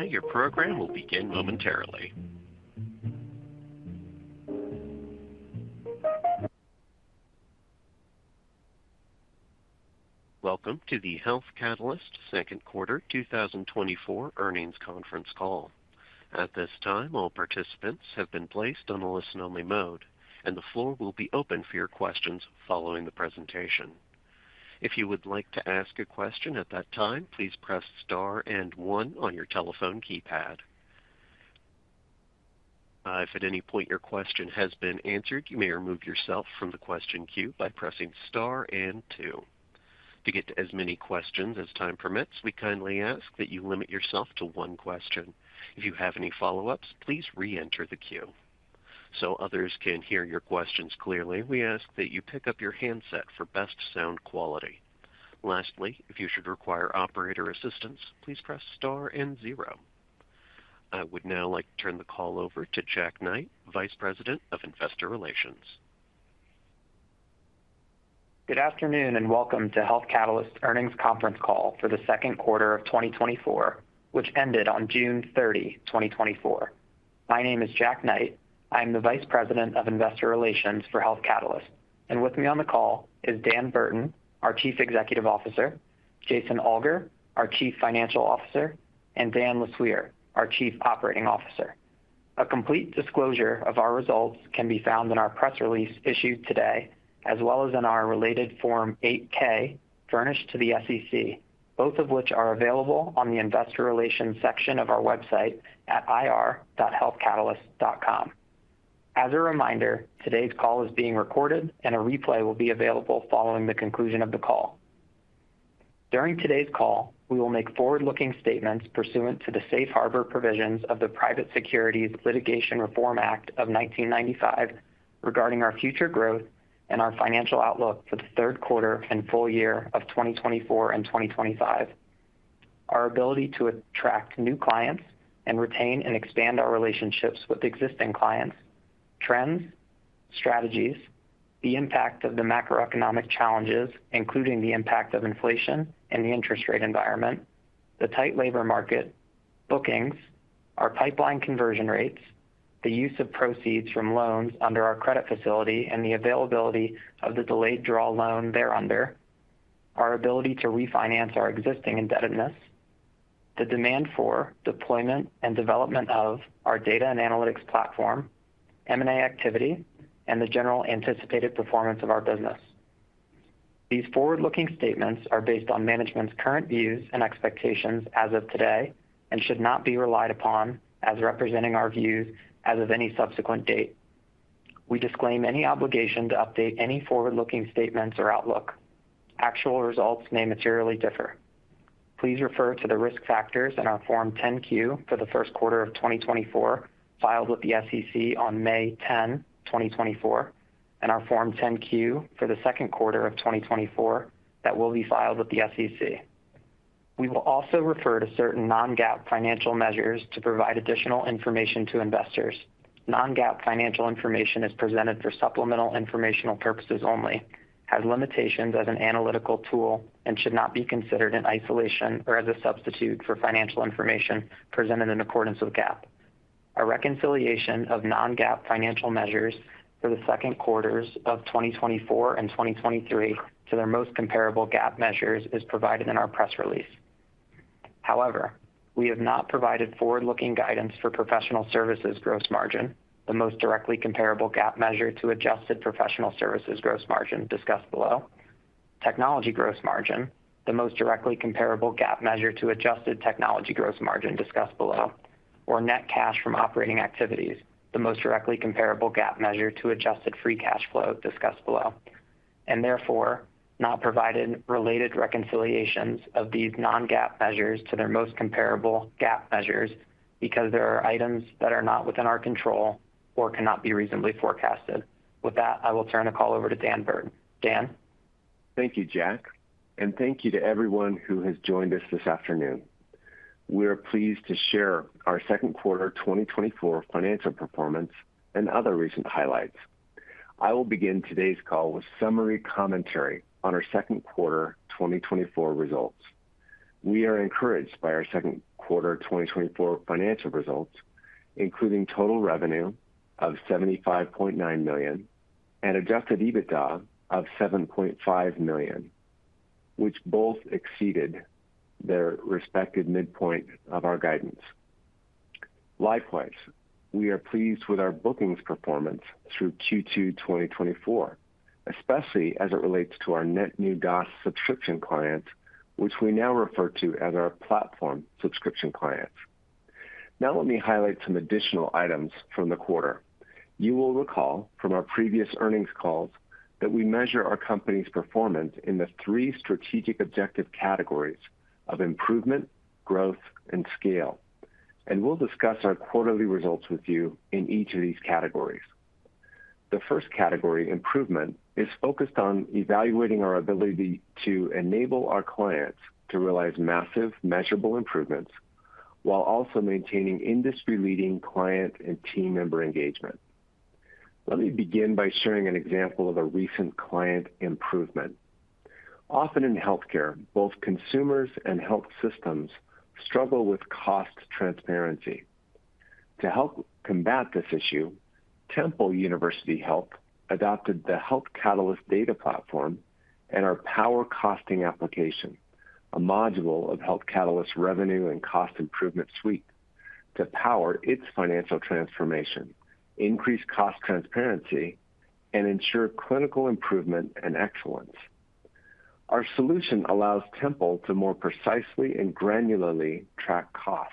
Your program will begin momentarily. Welcome to the Health Catalyst Second Quarter 2024 Earnings Conference Call. At this time, all participants have been placed on a listen-only mode, and the floor will be open for your questions following the presentation. If you would like to ask a question at that time, please press Star and one on your telephone keypad. If at any point your question has been answered, you may remove yourself from the question queue by pressing Star and two. To get to as many questions as time permits, we kindly ask that you limit yourself to one question. If you have any follow-ups, please reenter the queue. So others can hear your questions clearly, we ask that you pick up your handset for best sound quality. Lastly, if you should require operator assistance, please press Star and zero. I would now like to turn the call over to Jack Knight, Vice President of Investor Relations. Good afternoon, and welcome to Health Catalyst Earnings Conference Call for the second quarter of 2024, which ended on June 30, 2024. My name is Jack Knight. I'm the Vice President of Investor Relations for Health Catalyst, and with me on the call is Dan Burton, our Chief Executive Officer, Jason Alger, our Chief Financial Officer, and Dan LeSueur, our Chief Operating Officer. A complete disclosure of our results can be found in our press release issued today, as well as in our related Form 8-K furnished to the SEC, both of which are available on the Investor Relations section of our website at ir.healthcatalyst.com. As a reminder, today's call is being recorded and a replay will be available following the conclusion of the call. During today's call, we will make forward-looking statements pursuant to the safe harbor provisions of the Private Securities Litigation Reform Act of 1995, regarding our future growth and our financial outlook for the third quarter and full year of 2024 and 2025. Our ability to attract new clients and retain and expand our relationships with existing clients, trends, strategies, the impact of the macroeconomic challenges, including the impact of inflation and the interest rate environment, the tight labor market, bookings, our pipeline conversion rates, the use of proceeds from loans under our credit facility, and the availability of the delayed draw loan thereunder, our ability to refinance our existing indebtedness, the demand for deployment and development of our data and analytics platform, M&A activity, and the general anticipated performance of our business. These forward-looking statements are based on management's current views and expectations as of today, and should not be relied upon as representing our views as of any subsequent date. We disclaim any obligation to update any forward-looking statements or outlook. Actual results may materially differ. Please refer to the risk factors in our Form 10-Q for the first quarter of 2024, filed with the SEC on May 10, 2024, and our Form 10-Q for the second quarter of 2024, that will be filed with the SEC. We will also refer to certain non-GAAP financial measures to provide additional information to investors. Non-GAAP financial information is presented for supplemental informational purposes only, has limitations as an analytical tool, and should not be considered in isolation or as a substitute for financial information presented in accordance with GAAP. A reconciliation of non-GAAP financial measures for the second quarters of 2024 and 2023 to their most comparable GAAP measures is provided in our press release. However, we have not provided forward-looking guidance for professional services gross margin, the most directly comparable GAAP measure to adjusted professional services gross margin discussed below. Technology gross margin, the most directly comparable GAAP measure to adjusted technology gross margin discussed below, or net cash from operating activities, the most directly comparable GAAP measure to adjusted free cash flow discussed below, and therefore not provided related reconciliations of these non-GAAP measures to their most comparable GAAP measures, because there are items that are not within our control or cannot be reasonably forecasted. With that, I will turn the call over to Dan Burton. Dan? Thank you, Jack, and thank you to everyone who has joined us this afternoon. We are pleased to share our second quarter 2024 financial performance and other recent highlights. I will begin today's call with summary commentary on our second quarter 2024 results. We are encouraged by our second quarter 2024 financial results, including total revenue of $75.9 million and Adjusted EBITDA of $7.5 million, which both exceeded their respective midpoint of our guidance. Likewise, we are pleased with our bookings performance through Q2 2024, especially as it relates to our net new DOS subscription clients, which we now refer to as our platform subscription clients. Now, let me highlight some additional items from the quarter. You will recall from our previous earnings calls that we measure our company's performance in the three strategic objective categories of improvement, growth, and scale, and we'll discuss our quarterly results with you in each of these categories. The first category, improvement, is focused on evaluating our ability to enable our clients to realize massive measurable improvements while also maintaining industry-leading client and team member engagement. Let me begin by sharing an example of a recent client improvement. Often in healthcare, both consumers and health systems struggle with cost transparency. To help combat this issue, Temple University Health adopted the Health Catalyst data platform and our PowerCosting application, a module of Health Catalyst's Revenue & Cost Improvement Suite, to power its financial transformation, increase cost transparency, and ensure clinical improvement and excellence. Our solution allows Temple to more precisely and granularly track costs,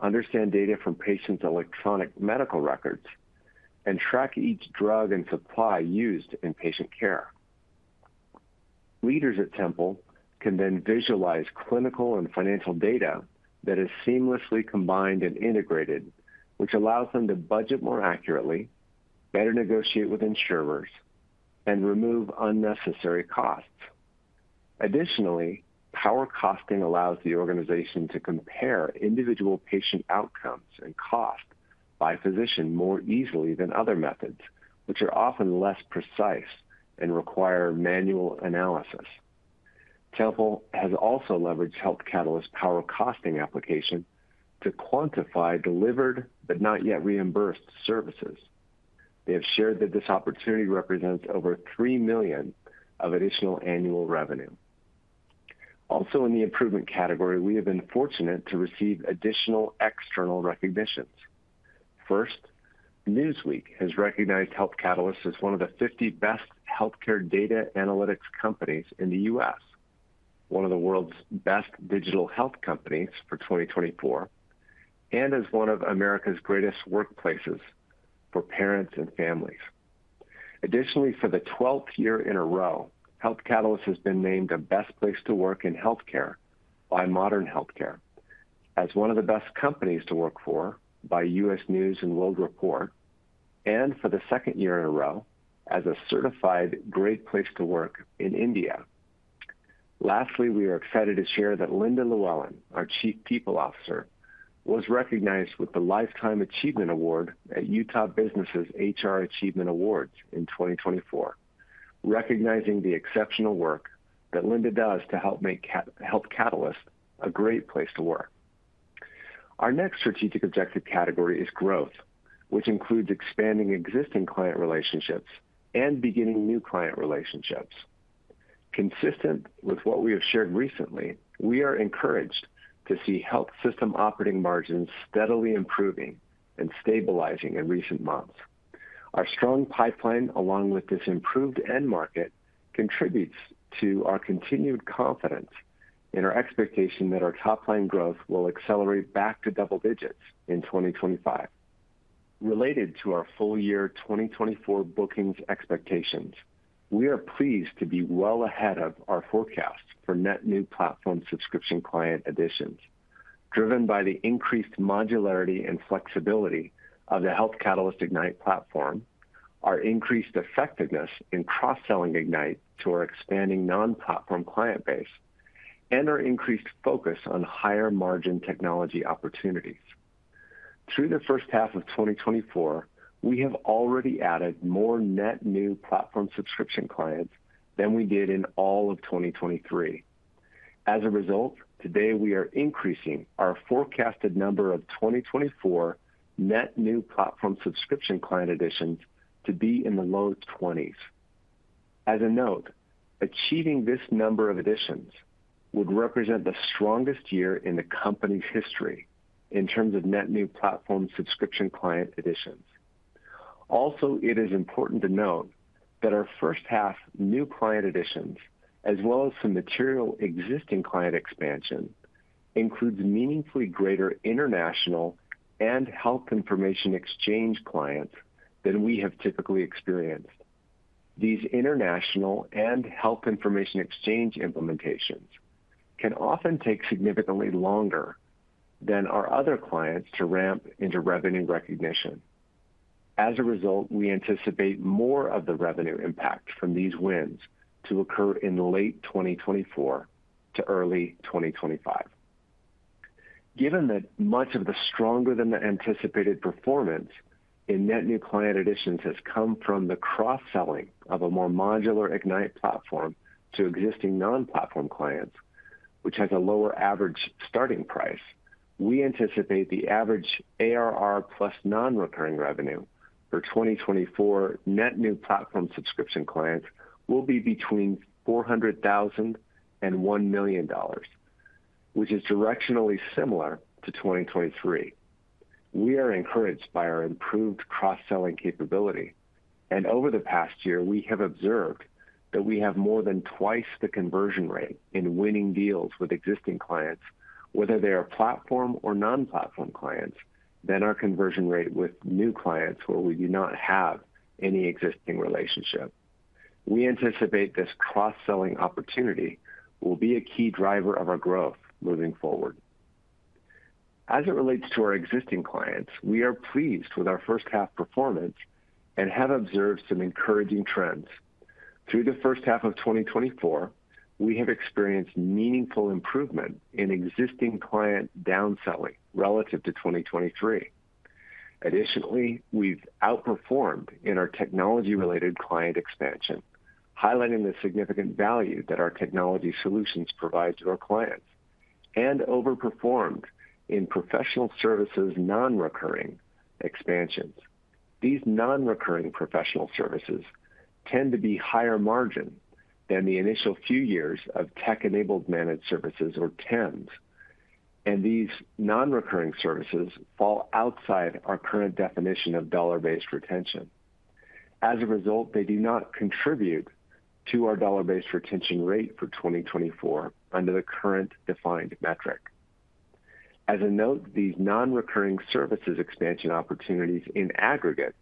understand data from patients' electronic medical records, and track each drug and supply used in patient care. Leaders at Temple can then visualize clinical and financial data that is seamlessly combined and integrated, which allows them to budget more accurately, better negotiate with insurers, and remove unnecessary costs. Additionally, PowerCosting allows the organization to compare individual patient outcomes and costs by physician more easily than other methods, which are often less precise and require manual analysis. Temple has also leveraged Health Catalyst's PowerCosting application to quantify delivered, but not yet reimbursed, services. They have shared that this opportunity represents over $3 million of additional annual revenue. Also, in the improvement category, we have been fortunate to receive additional external recognitions. First, Newsweek has recognized Health Catalyst as one of the 50 best healthcare data analytics companies in the U.S., one of the World's Best Digital Health Companies for 2024, and as one of America's Greatest Workplaces for Parents and Families. Additionally, for the 12th year in a row, Health Catalyst has been named the Best Place to Work in Healthcare by Modern Healthcare, as one of the Best Companies to Work For by U.S. News and World Report, and for the 2nd year in a row, as a certified Great Place to Work in India. Lastly, we are excited to share that Linda Llewelyn, our Chief People Officer, was recognized with the Lifetime Achievement Award at Utah Business's HR Achievement Awards in 2024, recognizing the exceptional work that Linda does to help make Health Catalyst a great place to work. Our next strategic objective category is growth, which includes expanding existing client relationships and beginning new client relationships. Consistent with what we have shared recently, we are encouraged to see health system operating margins steadily improving and stabilizing in recent months. Our strong pipeline, along with this improved end market, contributes to our continued confidence in our expectation that our top line growth will accelerate back to double digits in 2025. Related to our full year 2024 bookings expectations, we are pleased to be well ahead of our forecast for net new platform subscription client additions. Driven by the increased modularity and flexibility of the Health Catalyst Ignite platform, our increased effectiveness in cross-selling Ignite to our expanding non-platform client base, and our increased focus on higher-margin technology opportunities. Through the first half of 2024, we have already added more net new platform subscription clients than we did in all of 2023. As a result, today we are increasing our forecasted number of 2024 net new platform subscription client additions to be in the low 20s. As a note, achieving this number of additions would represent the strongest year in the company's history in terms of net new platform subscription client additions. Also, it is important to note that our first half new client additions, as well as some material existing client expansion, includes meaningfully greater international and health information exchange clients than we have typically experienced. These international and health information exchange implementations can often take significantly longer than our other clients to ramp into revenue recognition. As a result, we anticipate more of the revenue impact from these wins to occur in late 2024 to early 2025. Given that much of the stronger than the anticipated performance in net new client additions has come from the cross-selling of a more modular Ignite platform to existing non-platform clients, which has a lower average starting price, we anticipate the average ARR plus non-recurring revenue for 2024 net new platform subscription clients will be between $400,000 and $1,000,000, which is directionally similar to 2023. We are encouraged by our improved cross-selling capability, and over the past year, we have observed that we have more than twice the conversion rate in winning deals with existing clients, whether they are platform or non-platform clients, than our conversion rate with new clients where we do not have any existing relationship. We anticipate this cross-selling opportunity will be a key driver of our growth moving forward. As it relates to our existing clients, we are pleased with our first half performance and have observed some encouraging trends. Through the first half of 2024, we have experienced meaningful improvement in existing client downselling relative to 2023. Additionally, we've outperformed in our technology-related client expansion, highlighting the significant value that our technology solutions provide to our clients, and overperformed in professional services non-recurring expansions. These non-recurring professional services tend to be higher margin than the initial few years of tech-enabled managed services, or TEMS. These non-recurring services fall outside our current definition of dollar-based retention. As a result, they do not contribute to our dollar-based retention rate for 2024 under the current defined metric. As a note, these non-recurring services expansion opportunities in aggregate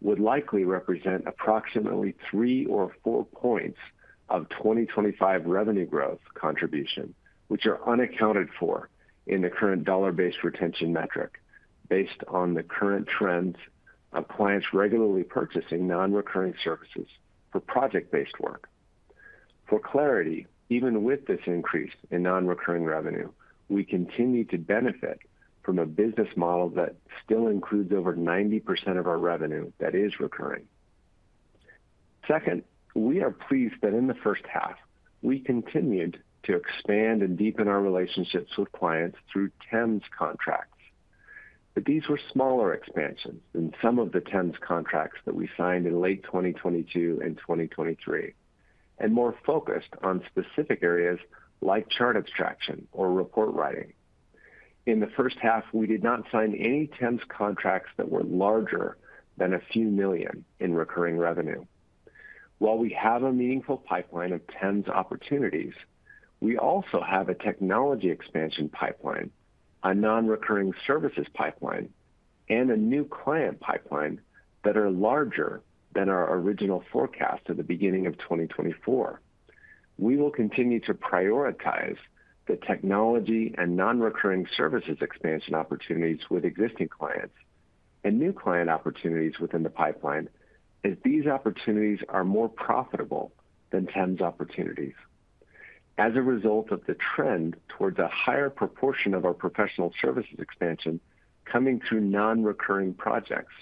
would likely represent approximately 3 or 4 points of 2025 revenue growth contribution, which are unaccounted for in the current dollar-based retention metric, based on the current trends of clients regularly purchasing non-recurring services for project-based work. For clarity, even with this increase in non-recurring revenue, we continue to benefit from a business model that still includes over 90% of our revenue that is recurring. Second, we are pleased that in the first half, we continued to expand and deepen our relationships with clients through TEMS contracts. But these were smaller expansions than some of the TEMS contracts that we signed in late 2022 and 2023, and more focused on specific areas like chart abstraction or report writing. In the first half, we did not sign any TEMS contracts that were larger than a few million in recurring revenue. While we have a meaningful pipeline of TEMS opportunities, we also have a technology expansion pipeline, a non-recurring services pipeline, and a new client pipeline that are larger than our original forecast at the beginning of 2024. We will continue to prioritize the technology and non-recurring services expansion opportunities with existing clients and new client opportunities within the pipeline, as these opportunities are more profitable than TEMS opportunities. As a result of the trend towards a higher proportion of our professional services expansion coming through non-recurring projects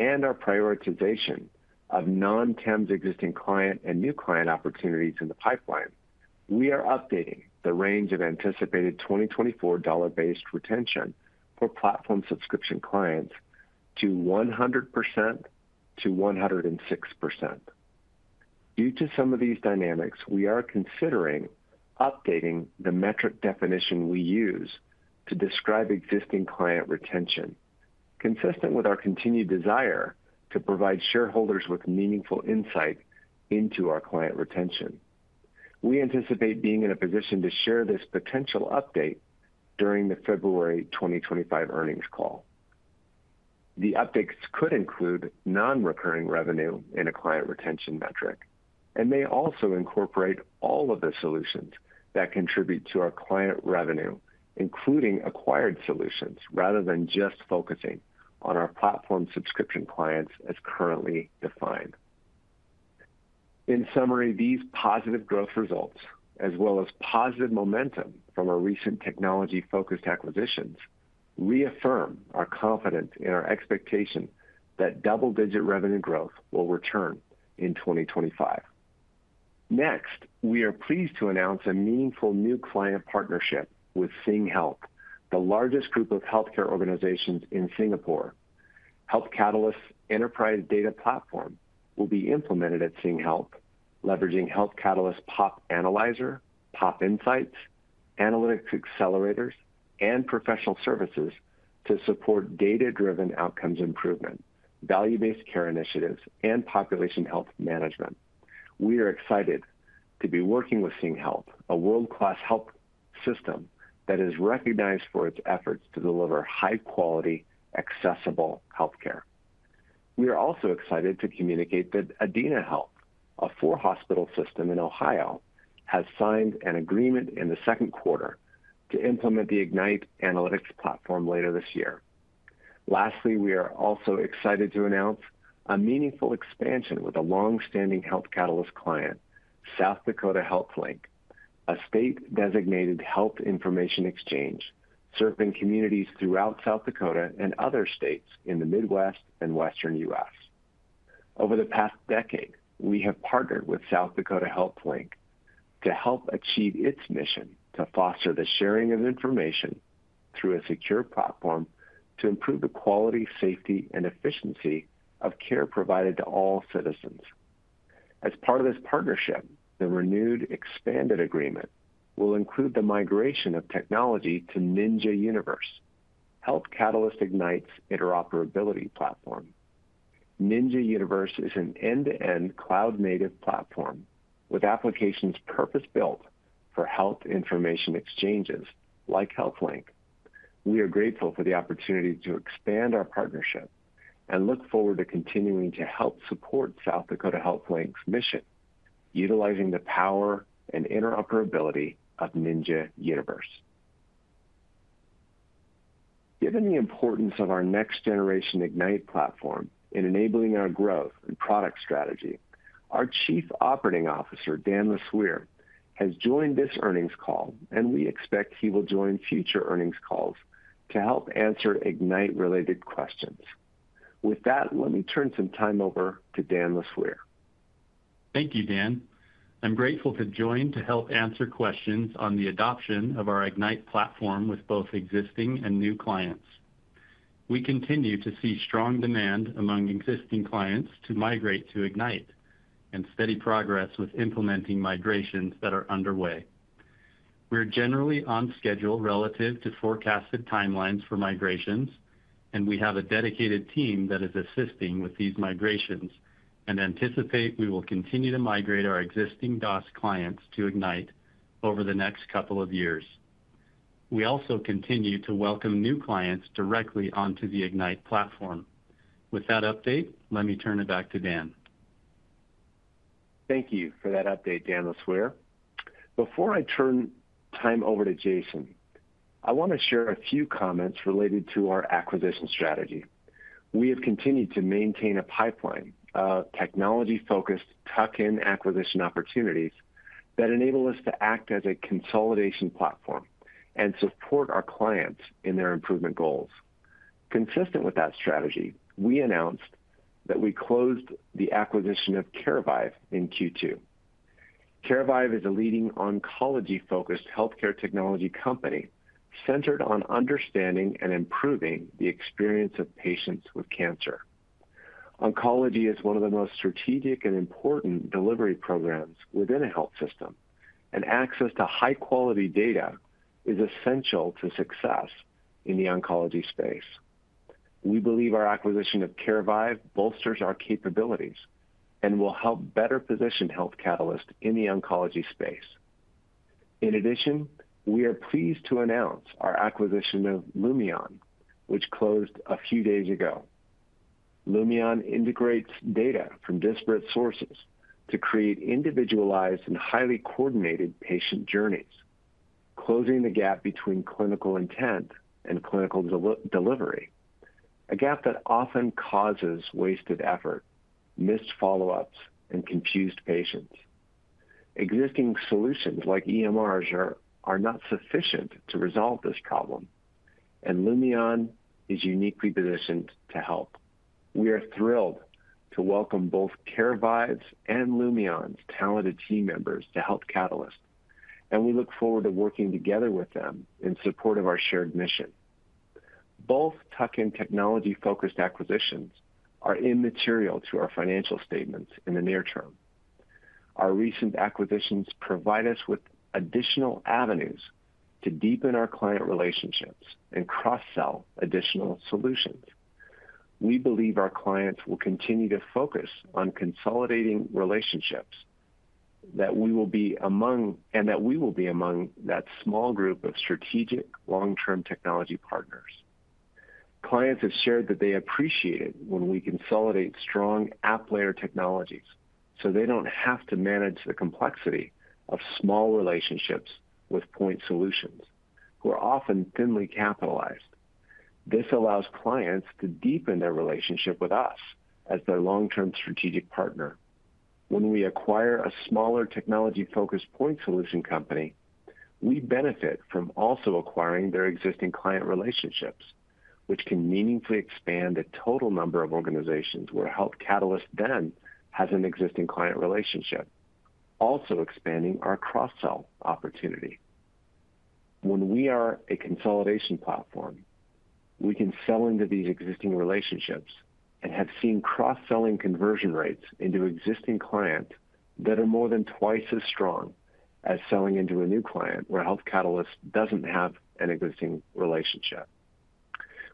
and our prioritization of non-TEMS existing client and new client opportunities in the pipeline, we are updating the range of anticipated 2024 dollar-based retention for platform subscription clients to 100%-106%. Due to some of these dynamics, we are considering updating the metric definition we use to describe existing client retention, consistent with our continued desire to provide shareholders with meaningful insight into our client retention. We anticipate being in a position to share this potential update during the February 2025 earnings call. The updates could include non-recurring revenue in a client retention metric and may also incorporate all of the solutions that contribute to our client revenue, including acquired solutions, rather than just focusing on our platform subscription clients as currently defined. In summary, these positive growth results, as well as positive momentum from our recent technology-focused acquisitions, reaffirm our confidence in our expectation that double-digit revenue growth will return in 2025. Next, we are pleased to announce a meaningful new client partnership with SingHealth, the largest group of healthcare organizations in Singapore. Health Catalyst's enterprise data platform will be implemented at SingHealth, leveraging Health Catalyst Pop Analyzer, Pop Insights, Analytics Accelerators, and professional services to support data-driven outcomes improvement, value-based care initiatives, and population health management. We are excited to be working with SingHealth, a world-class health system that is recognized for its efforts to deliver high-quality, accessible healthcare. We are also excited to communicate that Adena Health, a four-hospital system in Ohio, has signed an agreement in the second quarter to implement the Ignite analytics platform later this year. Lastly, we are also excited to announce a meaningful expansion with a long-standing Health Catalyst client, South Dakota Health Link, a state-designated health information exchange serving communities throughout South Dakota and other states in the Midwest and Western U.S. Over the past decade, we have partnered with South Dakota Health Link to help achieve its mission to foster the sharing of information through a secure platform to improve the quality, safety, and efficiency of care provided to all citizens. As part of this partnership, the renewed, expanded agreement will include the migration of technology to Ninja Universe, Health Catalyst Ignite's interoperability platform. Ninja Universe is an end-to-end cloud-native platform with applications purpose-built for health information exchanges like Health Link. We are grateful for the opportunity to expand our partnership and look forward to continuing to help support South Dakota Health Link's mission, utilizing the power and interoperability of Ninja Universe.... Given the importance of our next generation Ignite platform in enabling our growth and product strategy, our Chief Operating Officer, Dan LeSueur, has joined this earnings call, and we expect he will join future earnings calls to help answer Ignite-related questions. With that, let me turn some time over to Dan LeSueur. Thank you, Dan. I'm grateful to join to help answer questions on the adoption of our Ignite platform with both existing and new clients. We continue to see strong demand among existing clients to migrate to Ignite and steady progress with implementing migrations that are underway. We're generally on schedule relative to forecasted timelines for migrations, and we have a dedicated team that is assisting with these migrations and anticipate we will continue to migrate our existing DOS clients to Ignite over the next couple of years. We also continue to welcome new clients directly onto the Ignite platform. With that update, let me turn it back to Dan. Thank you for that update, Dan LeSueur. Before I turn time over to Jason, I want to share a few comments related to our acquisition strategy. We have continued to maintain a pipeline of technology-focused, tuck-in acquisition opportunities that enable us to act as a consolidation platform and support our clients in their improvement goals. Consistent with that strategy, we announced that we closed the acquisition of Carevive in Q2. Carevive is a leading oncology-focused healthcare technology company centered on understanding and improving the experience of patients with cancer. Oncology is one of the most strategic and important delivery programs within a health system, and access to high-quality data is essential to success in the oncology space. We believe our acquisition of Carevive bolsters our capabilities and will help better position Health Catalyst in the oncology space. In addition, we are pleased to announce our acquisition of Lumeon, which closed a few days ago. Lumeon integrates data from disparate sources to create individualized and highly coordinated patient journeys, closing the gap between clinical intent and clinical delivery. A gap that often causes wasted effort, missed follow-ups, and confused patients. Existing solutions like EMRs are not sufficient to resolve this problem, and Lumeon is uniquely positioned to help. We are thrilled to welcome both Carevive's and Lumeon's talented team members to Health Catalyst, and we look forward to working together with them in support of our shared mission. Both tuck-in technology-focused acquisitions are immaterial to our financial statements in the near term. Our recent acquisitions provide us with additional avenues to deepen our client relationships and cross-sell additional solutions. We believe our clients will continue to focus on consolidating relationships, that we will be among that small group of strategic, long-term technology partners. Clients have shared that they appreciate it when we consolidate strong app layer technologies, so they don't have to manage the complexity of small relationships with point solutions who are often thinly capitalized. This allows clients to deepen their relationship with us as their long-term strategic partner. When we acquire a smaller technology-focused point solution company, we benefit from also acquiring their existing client relationships, which can meaningfully expand the total number of organizations where Health Catalyst then has an existing client relationship, also expanding our cross-sell opportunity. When we are a consolidation platform, we can sell into these existing relationships and have seen cross-selling conversion rates into existing clients that are more than twice as strong as selling into a new client, where Health Catalyst doesn't have an existing relationship.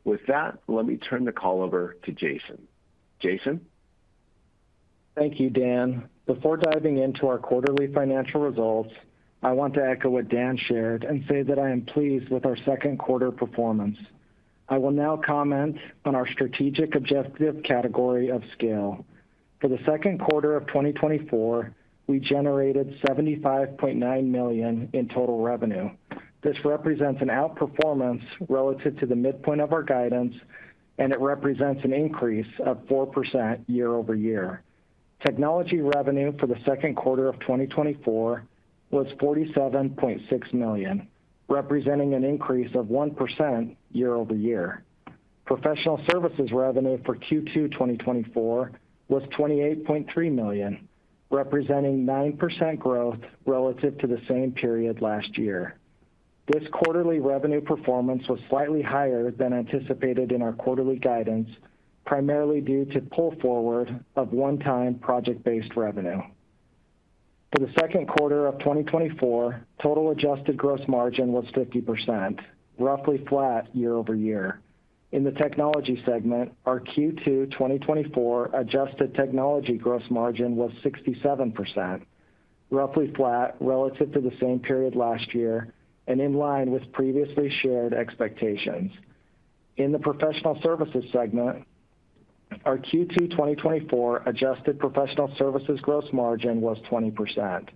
With that, let me turn the call over to Jason. Jason? Thank you, Dan. Before diving into our quarterly financial results, I want to echo what Dan shared and say that I am pleased with our second quarter performance. I will now comment on our strategic objective category of scale. For the second quarter of 2024, we generated $75.9 million in total revenue. This represents an outperformance relative to the midpoint of our guidance, and it represents an increase of 4% year-over-year. Technology revenue for the second quarter of 2024 was $47.6 million, representing an increase of 1% year-over-year. Professional services revenue for Q2 2024 was $28.3 million, representing 9% growth relative to the same period last year. This quarterly revenue performance was slightly higher than anticipated in our quarterly guidance, primarily due to pull forward of one-time project-based revenue. For the second quarter of 2024, total adjusted gross margin was 50%, roughly flat year-over-year. In the technology segment, our Q2 2024 adjusted technology gross margin was 67%, roughly flat relative to the same period last year, and in line with previously shared expectations. Our Q2 2024 adjusted professional services gross margin was 20%,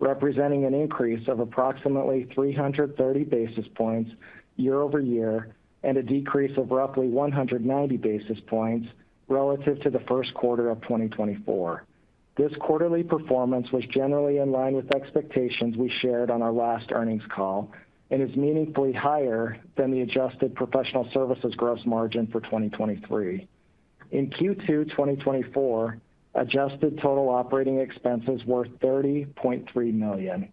representing an increase of approximately 330 basis points year-over-year, and a decrease of roughly 190 basis points relative to the first quarter of 2024. This quarterly performance was generally in line with expectations we shared on our last earnings call, and is meaningfully higher than the adjusted professional services gross margin for 2023. In Q2 2024, adjusted total operating expenses were $30.3 million.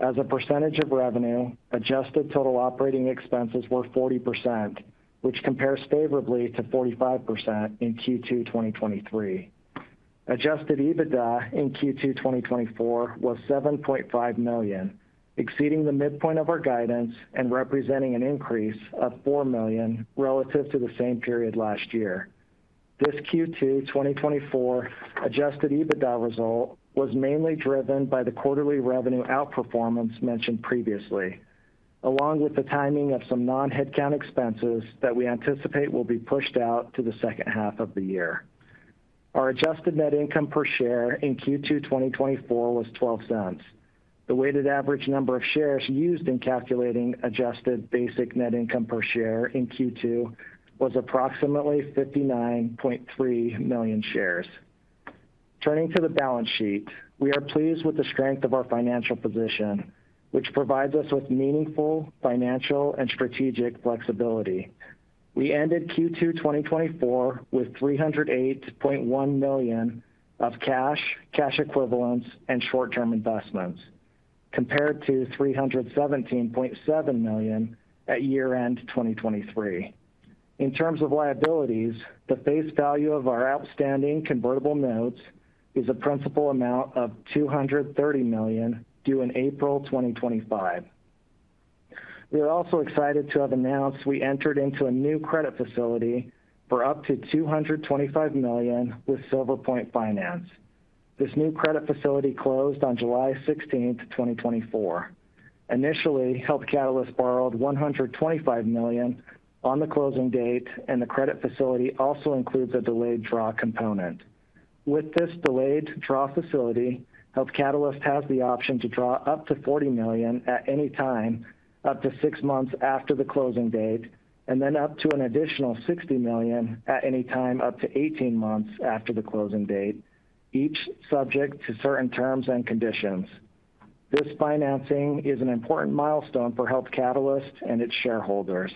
As a percentage of revenue, adjusted total operating expenses were 40%, which compares favorably to 45% in Q2 2023. Adjusted EBITDA in Q2 2024 was $7.5 million, exceeding the midpoint of our guidance and representing an increase of $4 million relative to the same period last year. This Q2 2024 adjusted EBITDA result was mainly driven by the quarterly revenue outperformance mentioned previously, along with the timing of some non-headcount expenses that we anticipate will be pushed out to the second half of the year. Our adjusted net income per share in Q2 2024 was $0.12. The weighted average number of shares used in calculating adjusted basic net income per share in Q2 was approximately 59.3 million shares. Turning to the balance sheet, we are pleased with the strength of our financial position, which provides us with meaningful financial and strategic flexibility. We ended Q2 2024 with $308.1 million of cash, cash equivalents, and short-term investments, compared to $317.7 million at year-end 2023. In terms of liabilities, the face value of our outstanding convertible notes is a principal amount of $230 million, due in April 2025. We are also excited to have announced we entered into a new credit facility for up to $225 million with Silver Point Finance. This new credit facility closed on July 16th, 2024. Initially, Health Catalyst borrowed $125 million on the closing date, and the credit facility also includes a delayed draw component. With this delayed draw facility, Health Catalyst has the option to draw up to $40 million at any time, up to six months after the closing date, and then up to an additional $60 million at any time, up to 18 months after the closing date, each subject to certain terms and conditions. This financing is an important milestone for Health Catalyst and its shareholders.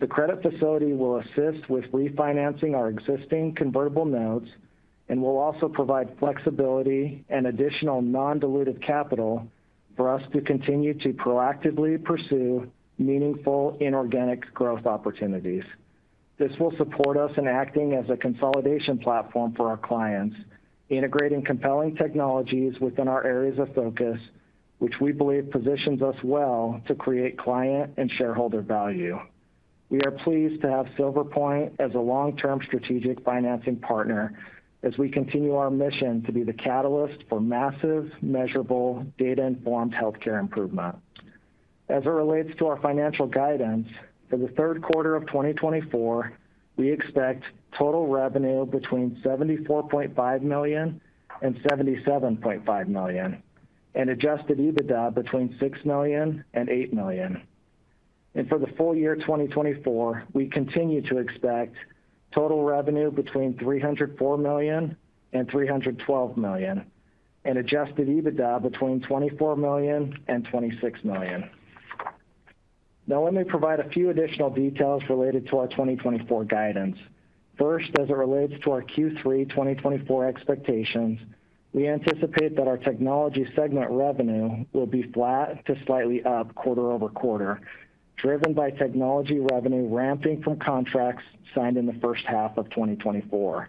The credit facility will assist with refinancing our existing convertible notes and will also provide flexibility and additional non-dilutive capital for us to continue to proactively pursue meaningful inorganic growth opportunities. This will support us in acting as a consolidation platform for our clients, integrating compelling technologies within our areas of focus, which we believe positions us well to create client and shareholder value. We are pleased to have Silver Point as a long-term strategic financing partner as we continue our mission to be the catalyst for massive, measurable, data-informed healthcare improvement. As it relates to our financial guidance, for the third quarter of 2024, we expect total revenue between $74.5 million and $77.5 million, and Adjusted EBITDA between $6 million and $8 million. For the full year 2024, we continue to expect total revenue between $304 million and $312 million, and Adjusted EBITDA between $24 million and $26 million. Now, let me provide a few additional details related to our 2024 guidance. First, as it relates to our Q3 2024 expectations, we anticipate that our technology segment revenue will be flat to slightly up quarter-over-quarter, driven by technology revenue ramping from contracts signed in the first half of 2024.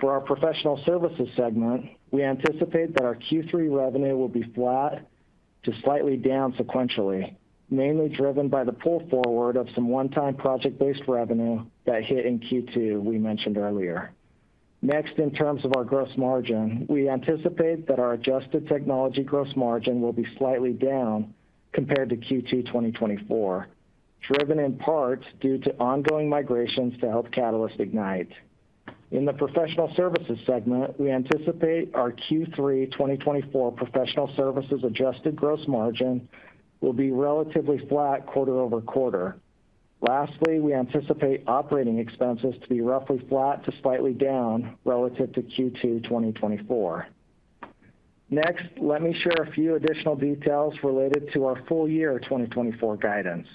For our professional services segment, we anticipate that our Q3 revenue will be flat to slightly down sequentially, mainly driven by the pull forward of some one-time project-based revenue that hit in Q2 we mentioned earlier. Next, in terms of our gross margin, we anticipate that our adjusted technology gross margin will be slightly down compared to Q2 2024, driven in part due to ongoing migrations to Health Catalyst Ignite. In the professional services segment, we anticipate our Q3 2024 professional services adjusted gross margin will be relatively flat quarter-over-quarter. Lastly, we anticipate operating expenses to be roughly flat to slightly down relative to Q2 2024. Next, let me share a few additional details related to our full year 2024 guidance.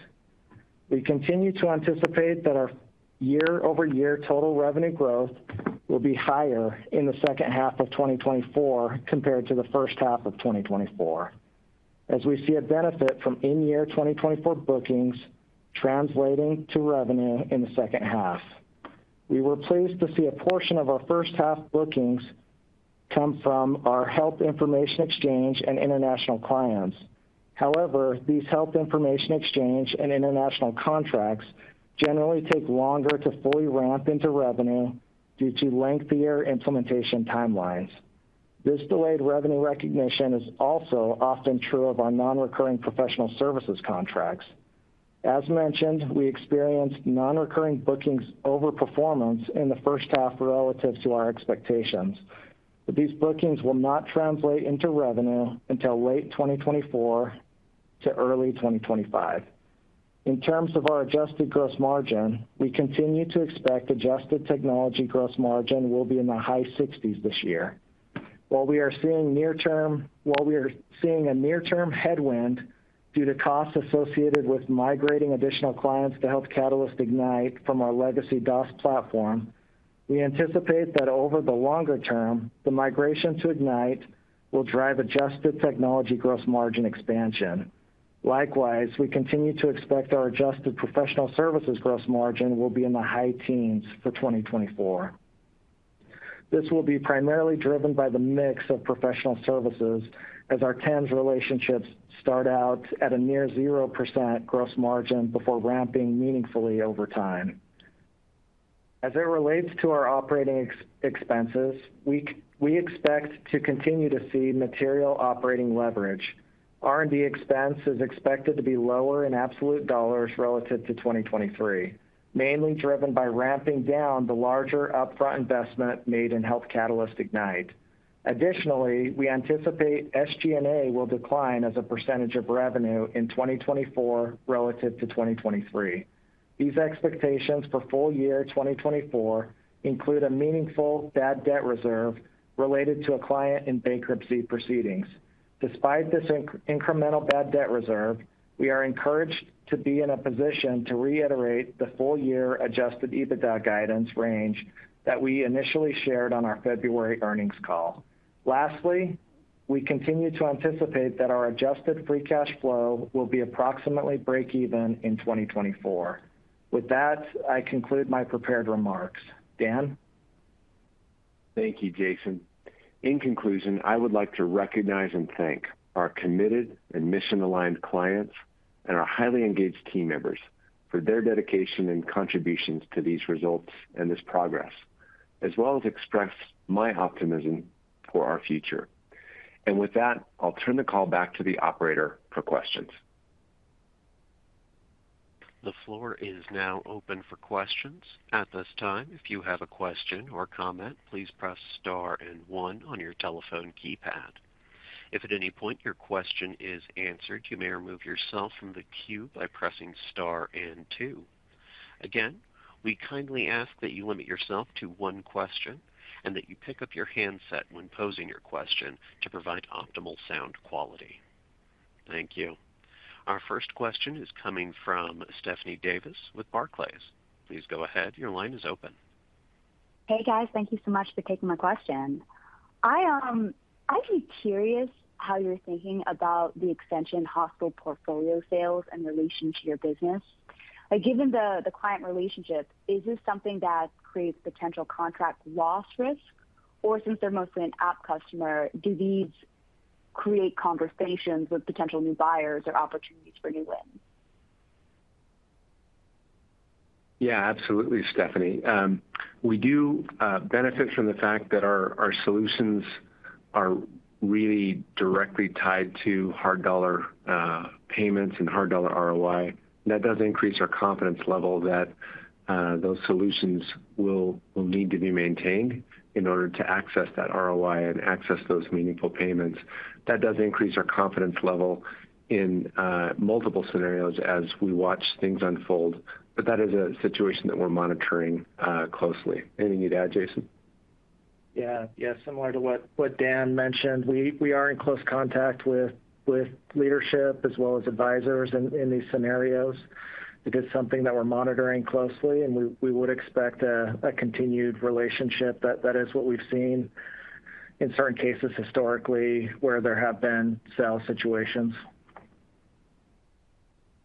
We continue to anticipate that our year-over-year total revenue growth will be higher in the second half of 2024 compared to the first half of 2024, as we see a benefit from in-year 2024 bookings translating to revenue in the second half. We were pleased to see a portion of our first half bookings come from our health information exchange and international clients. However, these health information exchange and international contracts generally take longer to fully ramp into revenue due to lengthier implementation timelines. This delayed revenue recognition is also often true of our non-recurring professional services contracts... As mentioned, we experienced non-recurring bookings overperformance in the first half relative to our expectations, but these bookings will not translate into revenue until late 2024 to early 2025. In terms of our adjusted gross margin, we continue to expect adjusted technology gross margin will be in the high 60s% this year. While we are seeing a near-term headwind due to costs associated with migrating additional clients to Health Catalyst Ignite from our legacy DOS platform, we anticipate that over the longer term, the migration to Ignite will drive adjusted technology gross margin expansion. Likewise, we continue to expect our adjusted professional services gross margin will be in the high teens% for 2024. This will be primarily driven by the mix of professional services as our TEMS relationships start out at a near 0% gross margin before ramping meaningfully over time. As it relates to our operating expenses, we expect to continue to see material operating leverage. R&D expense is expected to be lower in absolute dollars relative to 2023, mainly driven by ramping down the larger upfront investment made in Health Catalyst Ignite. Additionally, we anticipate SG&A will decline as a percentage of revenue in 2024 relative to 2023. These expectations for full year 2024 include a meaningful bad debt reserve related to a client in bankruptcy proceedings. Despite this incremental bad debt reserve, we are encouraged to be in a position to reiterate the full year adjusted EBITDA guidance range that we initially shared on our February earnings call. Lastly, we continue to anticipate that our adjusted free cash flow will be approximately break even in 2024. With that, I conclude my prepared remarks. Dan? Thank you, Jason. In conclusion, I would like to recognize and thank our committed and mission-aligned clients and our highly engaged team members for their dedication and contributions to these results and this progress, as well as express my optimism for our future. With that, I'll turn the call back to the operator for questions. The floor is now open for questions. At this time, if you have a question or comment, please press star and one on your telephone keypad. If at any point your question is answered, you may remove yourself from the queue by pressing star and two. Again, we kindly ask that you limit yourself to one question and that you pick up your handset when posing your question to provide optimal sound quality. Thank you. Our first question is coming from Stephanie Davis with Barclays. Please go ahead. Your line is open. Hey, guys. Thank you so much for taking my question. I, I'd be curious how you're thinking about the Ascension hospital portfolio sales in relation to your business. Like, given the client relationship, is this something that creates potential contract loss risk? Or since they're mostly an app customer, do these create conversations with potential new buyers or opportunities for new wins? Yeah, absolutely, Stephanie. We do benefit from the fact that our, our solutions are really directly tied to hard dollar payments and hard dollar ROI. That does increase our confidence level that those solutions will, will need to be maintained in order to access that ROI and access those meaningful payments. That does increase our confidence level in multiple scenarios as we watch things unfold, but that is a situation that we're monitoring closely. Anything you'd add, Jason? Yeah. Similar to what Dan mentioned, we are in close contact with leadership as well as advisors in these scenarios. It is something that we're monitoring closely, and we would expect a continued relationship. That is what we've seen in certain cases historically, where there have been sales situations.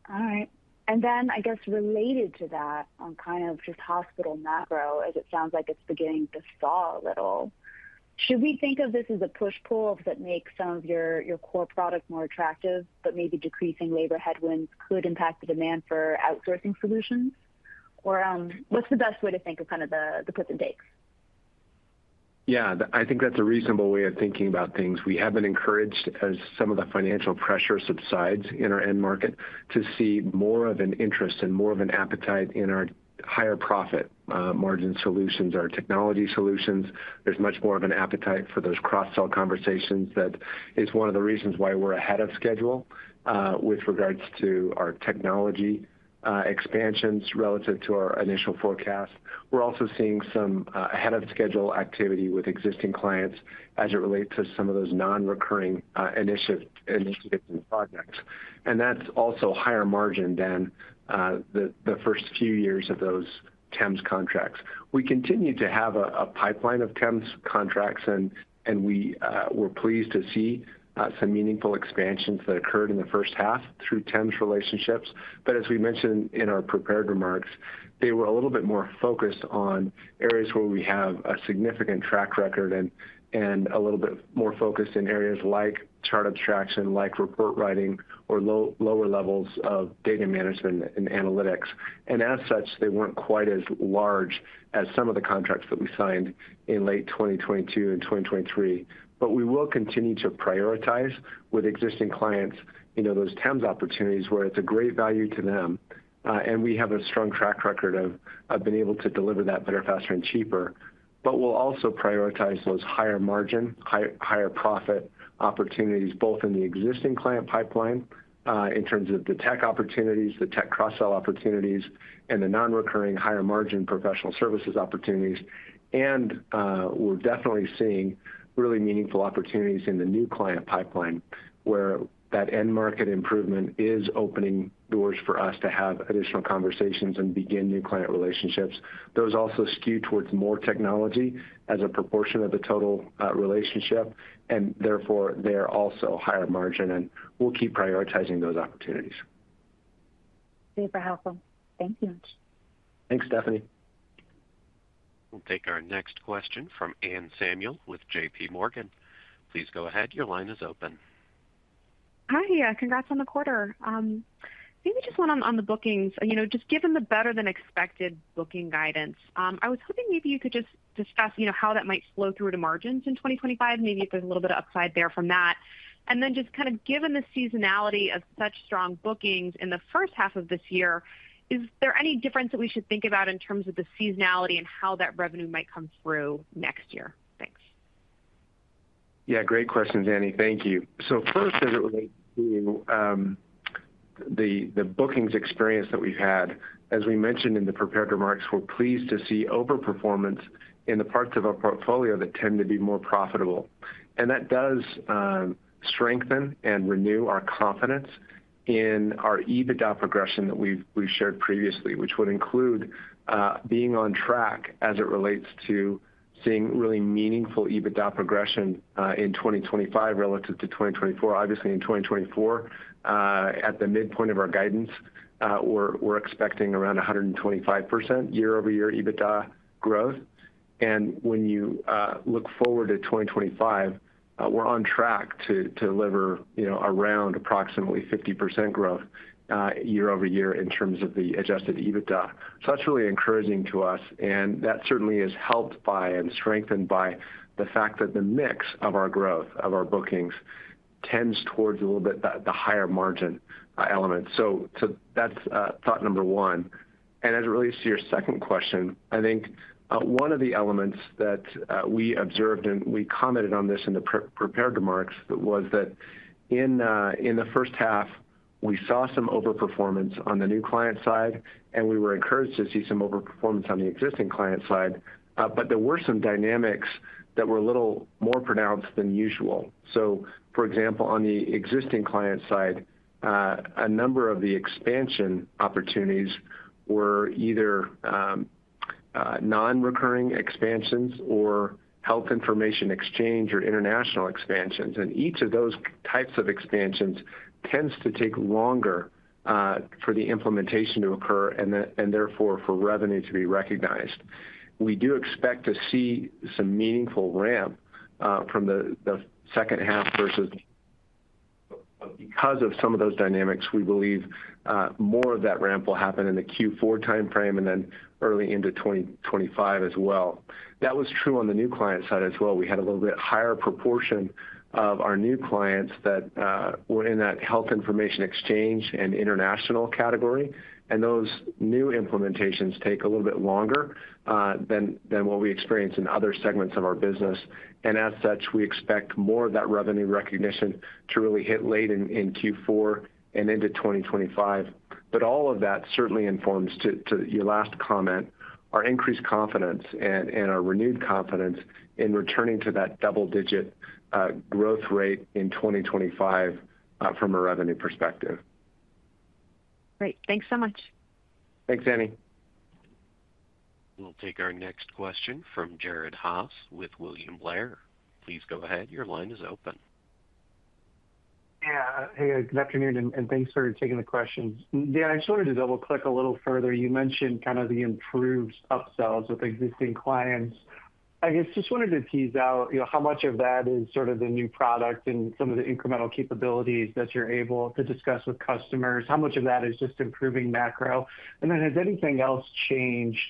All right. And then I guess related to that, on kind of just hospital macro, as it sounds like it's beginning to stall a little, should we think of this as a push-pull that makes some of your, your core products more attractive, but maybe decreasing labor headwinds could impact the demand for outsourcing solutions? Or, what's the best way to think of kind of the, the puts and takes? Yeah, I think that's a reasonable way of thinking about things. We have been encouraged, as some of the financial pressure subsides in our end market, to see more of an interest and more of an appetite in our higher profit, margin solutions, our technology solutions. There's much more of an appetite for those cross-sell conversations. That is one of the reasons why we're ahead of schedule, with regards to our technology, expansions relative to our initial forecast. We're also seeing some, ahead-of-schedule activity with existing clients as it relates to some of those non-recurring, initiative, initiatives and projects. And that's also higher margin than the first few years of those TEMS contracts. We continue to have a pipeline of TEMS contracts, and we are pleased to see some meaningful expansions that occurred in the first half through TEMS relationships. But as we mentioned in our prepared remarks, they were a little bit more focused on areas where we have a significant track record and a little bit more focused in areas like chart abstraction, like report writing, or lower levels of data management and analytics. And as such, they weren't quite as large as some of the contracts that we signed in late 2022 and 2023. But we will continue to prioritize with existing clients, you know, those TEMS opportunities where it's a great value to them, and we have a strong track record of being able to deliver that better, faster, and cheaper. But we'll also prioritize those higher margin, high-higher profit opportunities, both in the existing client pipeline, in terms of the tech opportunities, the tech cross-sell opportunities, and the non-recurring higher margin professional services opportunities. And we're definitely seeing really meaningful opportunities in the new client pipeline... where that end market improvement is opening doors for us to have additional conversations and begin new client relationships. Those also skew towards more technology as a proportion of the total, relationship, and therefore, they are also higher margin, and we'll keep prioritizing those opportunities. Super helpful. Thank you. Thanks, Stephanie. We'll take our next question from Anne Samuel with JP Morgan. Please go ahead. Your line is open. Hi, yeah, congrats on the quarter. Maybe just one on the bookings. You know, just given the better-than-expected booking guidance, I was hoping maybe you could just discuss, you know, how that might flow through to margins in 2025, maybe if there's a little bit of upside there from that. And then just kind of given the seasonality of such strong bookings in the first half of this year, is there any difference that we should think about in terms of the seasonality and how that revenue might come through next year? Thanks. Yeah, great questions, Annie. Thank you. So first, as it relates to the bookings experience that we've had, as we mentioned in the prepared remarks, we're pleased to see overperformance in the parts of our portfolio that tend to be more profitable. And that does strengthen and renew our confidence in our EBITDA progression that we've shared previously, which would include being on track as it relates to seeing really meaningful EBITDA progression in 2025 relative to 2024. Obviously, in 2024, at the midpoint of our guidance, we're expecting around 125% year-over-year EBITDA growth. And when you look forward to 2025, we're on track to deliver, you know, around approximately 50% growth year-over-year in terms of the adjusted EBITDA. So that's really encouraging to us, and that certainly is helped by and strengthened by the fact that the mix of our growth, of our bookings, tends towards a little bit the higher margin element. So that's thought number one. And as it relates to your second question, I think one of the elements that we observed, and we commented on this in the pre-prepared remarks, was that in the first half, we saw some overperformance on the new client side, and we were encouraged to see some overperformance on the existing client side. But there were some dynamics that were a little more pronounced than usual. So for example, on the existing client side, a number of the expansion opportunities were either nonrecurring expansions or health information exchange or international expansions, and each of those types of expansions tends to take longer for the implementation to occur and therefore, for revenue to be recognized. We do expect to see some meaningful ramp from the second half versus... But because of some of those dynamics, we believe more of that ramp will happen in the Q4 time frame and then early into 2025 as well. That was true on the new client side as well. We had a little bit higher proportion of our new clients that were in that health information exchange and international category, and those new implementations take a little bit longer than what we experienced in other segments of our business. And as such, we expect more of that revenue recognition to really hit late in Q4 and into 2025. But all of that certainly informs to your last comment, our increased confidence and our renewed confidence in returning to that double-digit growth rate in 2025 from a revenue perspective. Great. Thanks so much. Thanks, Annie. We'll take our next question from Jared Haase with William Blair. Please go ahead. Your line is open. Yeah. Hey, good afternoon, and thanks for taking the questions. Dan, I just wanted to double-click a little further. You mentioned kind of the improved upsells with existing clients. I guess, just wanted to tease out, you know, how much of that is sort of the new product and some of the incremental capabilities that you're able to discuss with customers? How much of that is just improving macro? And then, has anything else changed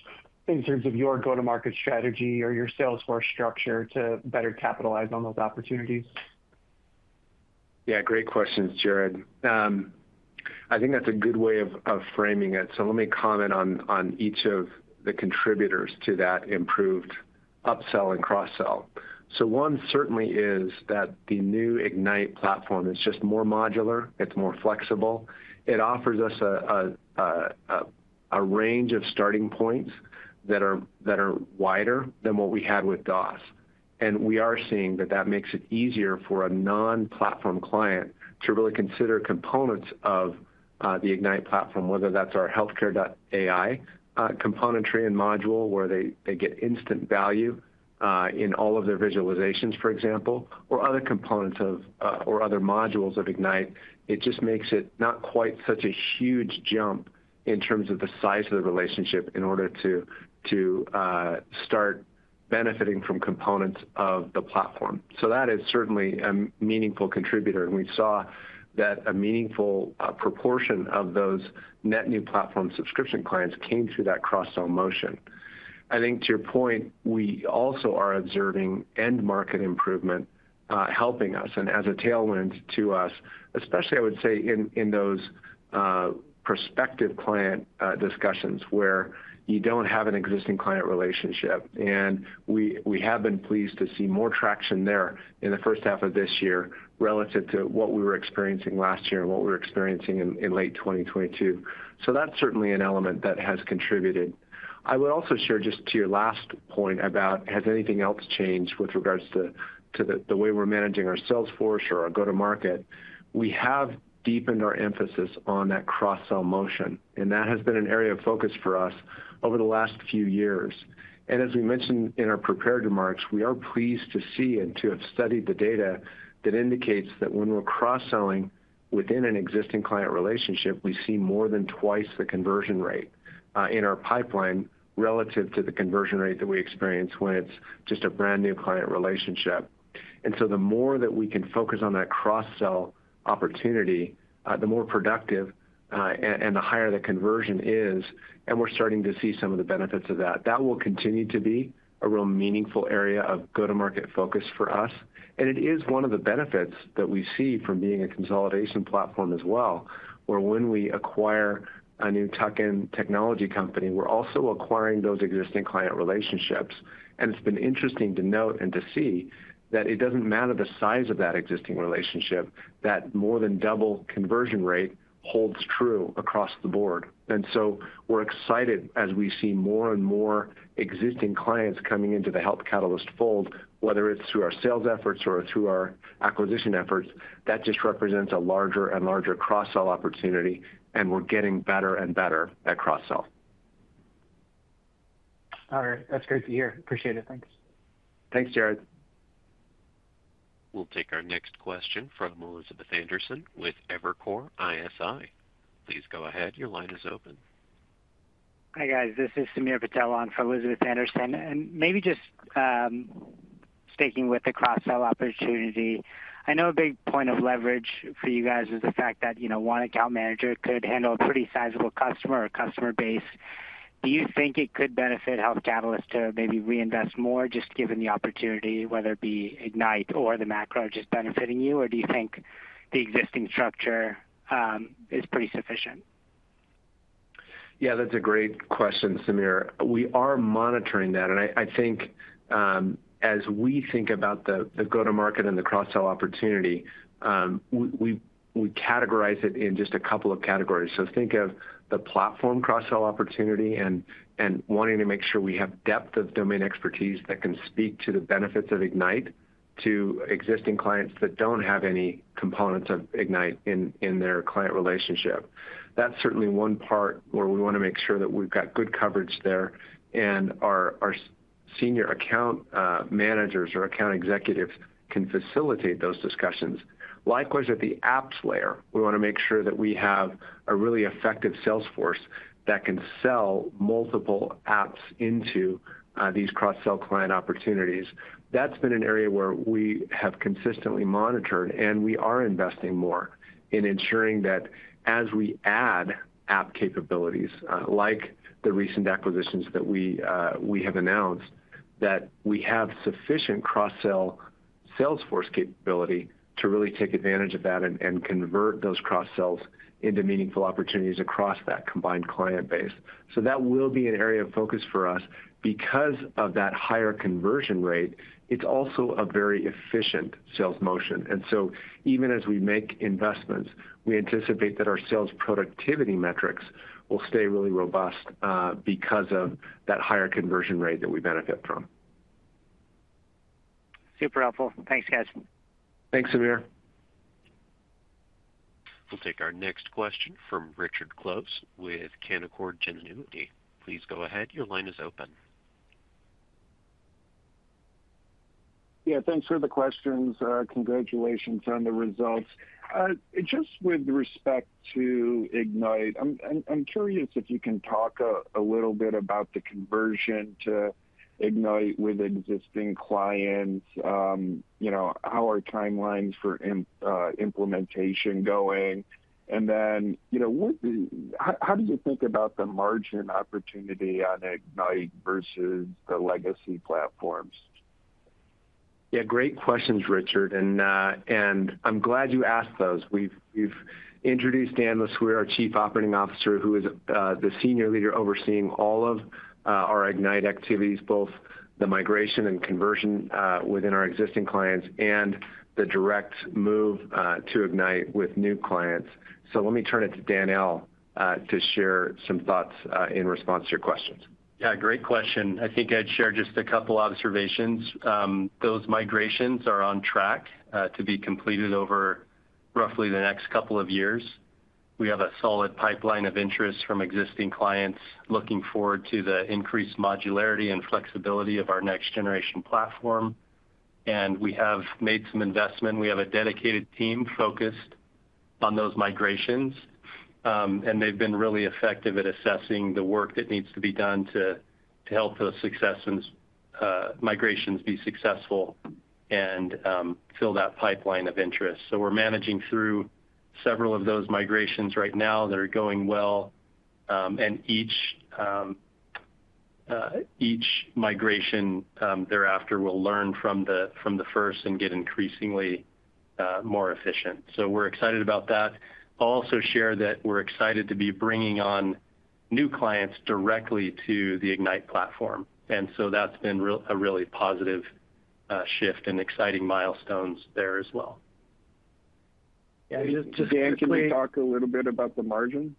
in terms of your go-to-market strategy or your salesforce structure to better capitalize on those opportunities? Yeah, great questions, Jared. I think that's a good way of framing it. So let me comment on each of the contributors to that improved upsell and cross-sell. So one certainly is that the new Ignite platform is just more modular, it's more flexible. It offers us a range of starting points that are wider than what we had with DOS. And we are seeing that that makes it easier for a non-platform client to really consider components of the Ignite platform, whether that's our healthcare.ai componentry and module, where they get instant value in all of their visualizations, for example, or other components of or other modules of Ignite. It just makes it not quite such a huge jump in terms of the size of the relationship in order to start benefiting from components of the platform. So that is certainly a meaningful contributor, and we saw that a meaningful proportion of those net new platform subscription clients came through that cross-sell motion. I think to your point, we also are observing end-market improvement, helping us and as a tailwind to us, especially, I would say, in those prospective client discussions where you don't have an existing client relationship. And we have been pleased to see more traction there in the first half of this year relative to what we were experiencing last year and what we were experiencing in late 2022. So that's certainly an element that has contributed. I would also share, just to your last point about has anything else changed with regards to the way we're managing our sales force or our go-to-market, we have deepened our emphasis on that cross-sell motion, and that has been an area of focus for us over the last few years. And as we mentioned in our prepared remarks, we are pleased to see and to have studied the data that indicates that when we're cross-selling within an existing client relationship, we see more than twice the conversion rate in our pipeline relative to the conversion rate that we experience when it's just a brand-new client relationship. And so the more that we can focus on that cross-sell opportunity, the more productive and the higher the conversion is, and we're starting to see some of the benefits of that. That will continue to be a real meaningful area of go-to-market focus for us, and it is one of the benefits that we see from being a consolidation platform as well, where when we acquire a new tuck-in technology company, we're also acquiring those existing client relationships. And it's been interesting to note and to see that it doesn't matter the size of that existing relationship, that more than double conversion rate holds true across the board. And so we're excited as we see more and more existing clients coming into the Health Catalyst fold, whether it's through our sales efforts or through our acquisition efforts, that just represents a larger and larger cross-sell opportunity, and we're getting better and better at cross-sell. All right. That's great to hear. Appreciate it. Thanks. Thanks, Jared. We'll take our next question from Elizabeth Anderson with Evercore ISI. Please go ahead. Your line is open. Hi, guys. This is Samir Patel on for Elizabeth Anderson, and maybe just sticking with the cross-sell opportunity. I know a big point of leverage for you guys is the fact that, you know, one account manager could handle a pretty sizable customer or customer base. Do you think it could benefit Health Catalyst to maybe reinvest more, just given the opportunity, whether it be Ignite or the macro just benefiting you? Or do you think the existing structure is pretty sufficient? Yeah, that's a great question, Samir. We are monitoring that, and I think, as we think about the go-to-market and the cross-sell opportunity, we categorize it in just a couple of categories. So think of the platform cross-sell opportunity and wanting to make sure we have depth of domain expertise that can speak to the benefits of Ignite to existing clients that don't have any components of Ignite in their client relationship. That's certainly one part where we wanna make sure that we've got good coverage there, and our senior account managers or account executives can facilitate those discussions. Likewise, at the apps layer, we wanna make sure that we have a really effective sales force that can sell multiple apps into these cross-sell client opportunities. That's been an area where we have consistently monitored, and we are investing more in ensuring that as we add app capabilities, like the recent acquisitions that we have announced, that we have sufficient cross-sell sales force capability to really take advantage of that and convert those cross-sells into meaningful opportunities across that combined client base. So that will be an area of focus for us. Because of that higher conversion rate, it's also a very efficient sales motion. And so even as we make investments, we anticipate that our sales productivity metrics will stay really robust, because of that higher conversion rate that we benefit from. Super helpful. Thanks, guys. Thanks, Samir. We'll take our next question from Richard Close with Canaccord Genuity. Please go ahead. Your line is open. Yeah, thanks for the questions. Congratulations on the results. Just with respect to Ignite, I'm curious if you can talk a little bit about the conversion to Ignite with existing clients, you know, how are timelines for implementation going? And then, you know, how do you think about the margin opportunity on Ignite versus the legacy platforms? Yeah, great questions, Richard, and, and I'm glad you asked those. We've, we've introduced Dan LeSueur, our Chief Operating Officer, who is, the senior leader overseeing all of, our Ignite activities, both the migration and conversion, within our existing clients and the direct move, to Ignite with new clients. So let me turn it to Dan L., to share some thoughts, in response to your questions. Yeah, great question. I think I'd share just a couple observations. Those migrations are on track to be completed over roughly the next couple of years. We have a solid pipeline of interest from existing clients looking forward to the increased modularity and flexibility of our next generation platform, and we have made some investment. We have a dedicated team focused on those migrations, and they've been really effective at assessing the work that needs to be done to help those successes, migrations be successful and fill that pipeline of interest. So we're managing through several of those migrations right now. They're going well, and each migration thereafter, we'll learn from the first and get increasingly more efficient. So we're excited about that. I'll also share that we're excited to be bringing on new clients directly to the Ignite platform, and so that's been a really positive shift and exciting milestones there as well. ... Yeah, just Dan, can you talk a little bit about the margin?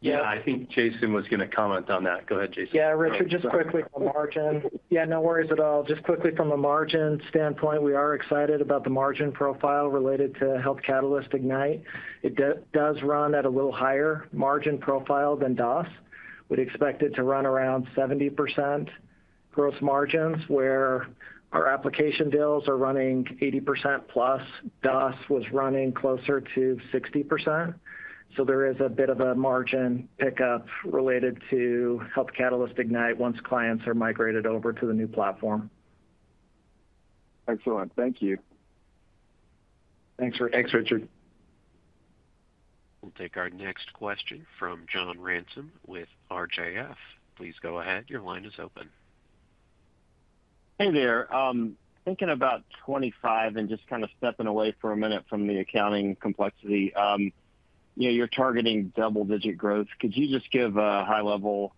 Yeah, I think Jason was going to comment on that. Go ahead, Jason. Yeah, Richard, just quickly on margin. Yeah, no worries at all. Just quickly, from a margin standpoint, we are excited about the margin profile related to Health Catalyst Ignite. It does run at a little higher margin profile than DOS. We'd expect it to run around 70% gross margins, where our application deals are running 80% plus. DOS was running closer to 60%, so there is a bit of a margin pickup related to Health Catalyst Ignite once clients are migrated over to the new platform. Excellent. Thank you. Thanks, Rich, thanks, Richard. We'll take our next question from John Ransom with RJF. Please go ahead. Your line is open. Hey there. Thinking about 25 and just kind of stepping away for a minute from the accounting complexity, you know, you're targeting double-digit growth. Could you just give a high level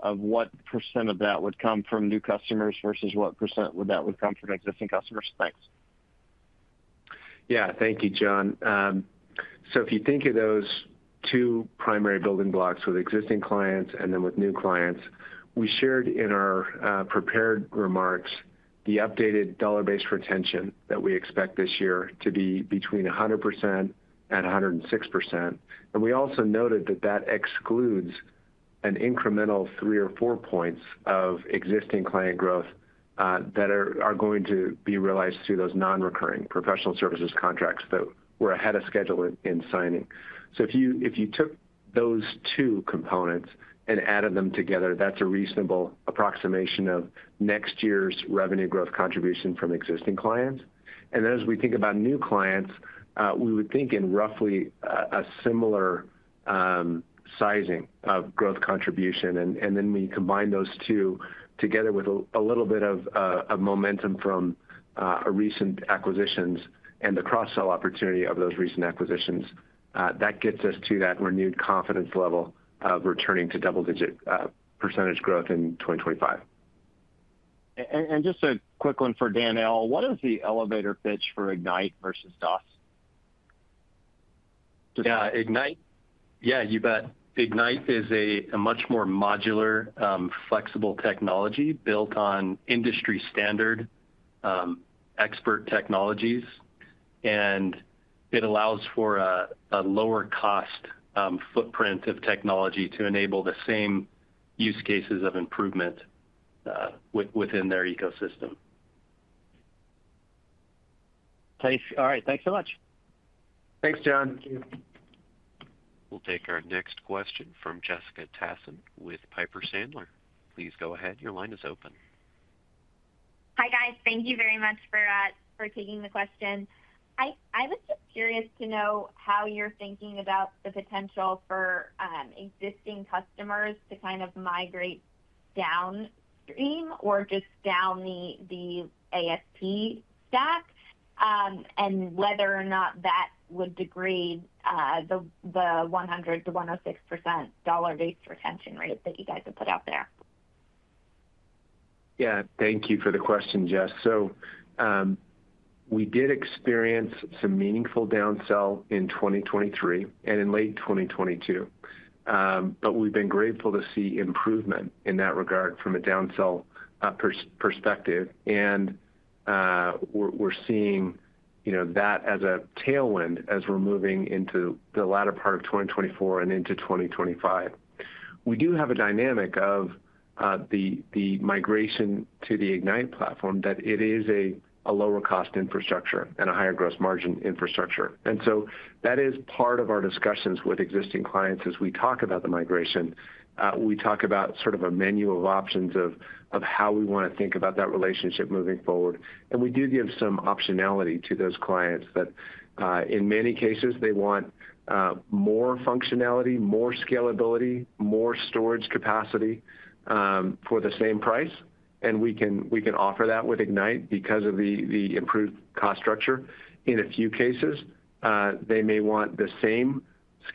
of what % of that would come from new customers versus what % would that come from existing customers? Thanks. Yeah. Thank you, John. So if you think of those two primary building blocks with existing clients and then with new clients, we shared in our prepared remarks the updated dollar-based retention that we expect this year to be between 100% and 106%. And we also noted that that excludes an incremental three or four points of existing client growth that are going to be realized through those non-recurring professional services contracts that we're ahead of schedule in signing. So if you took those two components and added them together, that's a reasonable approximation of next year's revenue growth contribution from existing clients. And then as we think about new clients, we would think in roughly a similar sizing of growth contribution. And then we combine those two together with a little bit of momentum from a recent acquisitions and the cross-sell opportunity of those recent acquisitions, that gets us to that renewed confidence level of returning to double-digit percentage growth in 2025. Just a quick one for Dan L. What is the elevator pitch for Ignite versus DOS? Yeah, Ignite? Yeah, you bet. Ignite is a much more modular, flexible technology built on industry standard expert technologies, and it allows for a lower cost footprint of technology to enable the same use cases of improvement within their ecosystem. Thanks. All right, thanks so much. Thanks, John. Thank you. We'll take our next question from Jessica Tassan with Piper Sandler. Please go ahead. Your line is open. Hi, guys. Thank you very much for taking the question. I was just curious to know how you're thinking about the potential for existing customers to kind of migrate downstream or just down the ASP stack, and whether or not that would degrade the 100%-106% dollar-based retention rate that you guys have put out there. Yeah, thank you for the question, Jess. So, we did experience some meaningful downsell in 2023 and in late 2022. But we've been grateful to see improvement in that regard from a downsell perspective. And, we're seeing, you know, that as a tailwind as we're moving into the latter part of 2024 and into 2025. We do have a dynamic of the migration to the Ignite platform, that it is a lower cost infrastructure and a higher gross margin infrastructure. And so that is part of our discussions with existing clients. As we talk about the migration, we talk about sort of a menu of options of how we want to think about that relationship moving forward. And we do give some optionality to those clients that, in many cases, they want, more functionality, more scalability, more storage capacity, for the same price, and we can, we can offer that with Ignite because of the, the improved cost structure. In a few cases, they may want the same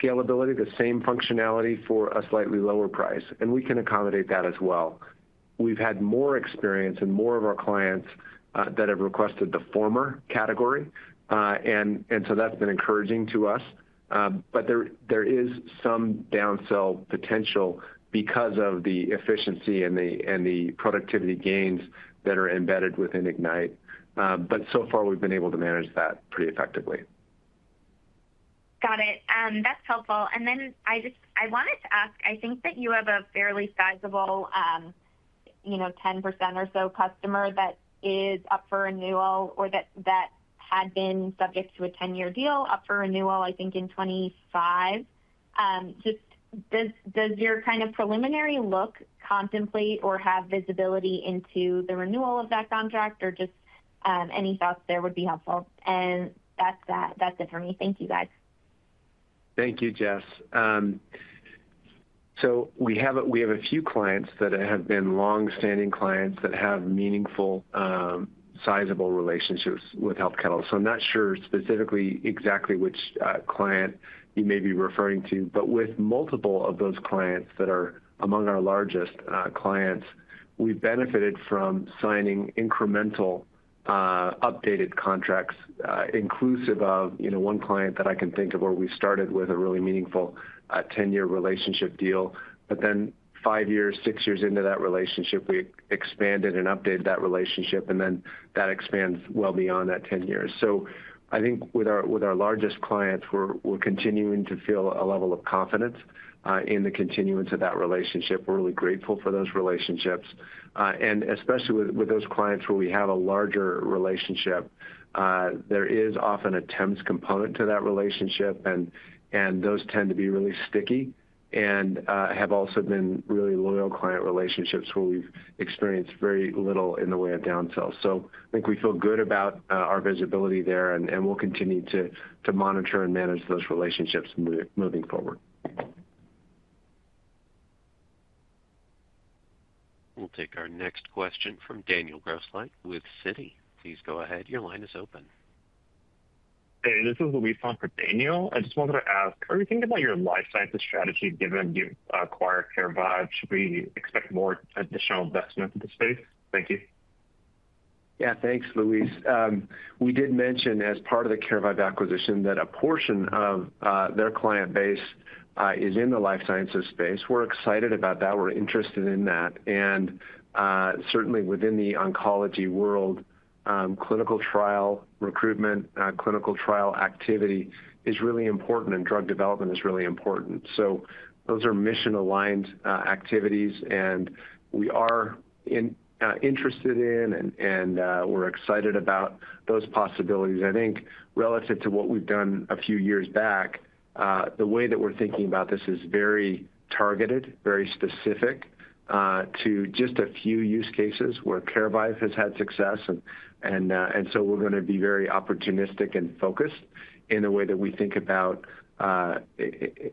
scalability, the same functionality for a slightly lower price, and we can accommodate that as well. We've had more experience and more of our clients, that have requested the former category, and, and so that's been encouraging to us. But there, there is some downsell potential because of the efficiency and the, and the productivity gains that are embedded within Ignite. But so far, we've been able to manage that pretty effectively. Got it. That's helpful. And then I just wanted to ask, I think that you have a fairly sizable, you know, 10% or so customer that is up for renewal or that had been subject to a 10-year deal, up for renewal, I think, in 2025. Just does your kind of preliminary look contemplate or have visibility into the renewal of that contract? Or just any thoughts there would be helpful. And that's that. That's it for me. Thank you, guys. Thank you, Jess. So we have a few clients that have been long-standing clients that have meaningful sizable relationships with Health Catalyst. So I'm not sure specifically exactly which client you may be referring to, but with multiple of those clients that are among our largest clients, we've benefited from signing updated contracts, inclusive of, you know, one client that I can think of, where we started with a really meaningful 10-year relationship deal. But then 5 years, 6 years into that relationship, we expanded and updated that relationship, and then that expands well beyond that 10 years. So I think with our largest clients, we're continuing to feel a level of confidence in the continuance of that relationship. We're really grateful for those relationships. Especially with those clients where we have a larger relationship, there is often a TEMS component to that relationship, and those tend to be really sticky and have also been really loyal client relationships where we've experienced very little in the way of downsells. So I think we feel good about our visibility there, and we'll continue to monitor and manage those relationships moving forward. We'll take our next question from Daniel Grosslight with Citi. Please go ahead. Your line is open. Hey, this is Luis on for Daniel. I just wanted to ask, are you thinking about your life sciences strategy, given you acquired Carevive? Should we expect more additional investment in the space? Thank you. Yeah, thanks, Luis. We did mention, as part of the Carevive acquisition, that a portion of their client base is in the life sciences space. We're excited about that. We're interested in that. And certainly within the oncology world, clinical trial recruitment, clinical trial activity is really important, and drug development is really important. So those are mission-aligned activities, and we are interested in, and we're excited about those possibilities. I think relative to what we've done a few years back, the way that we're thinking about this is very targeted, very specific to just a few use cases where Carevive has had success. And so we're gonna be very opportunistic and focused in the way that we think about,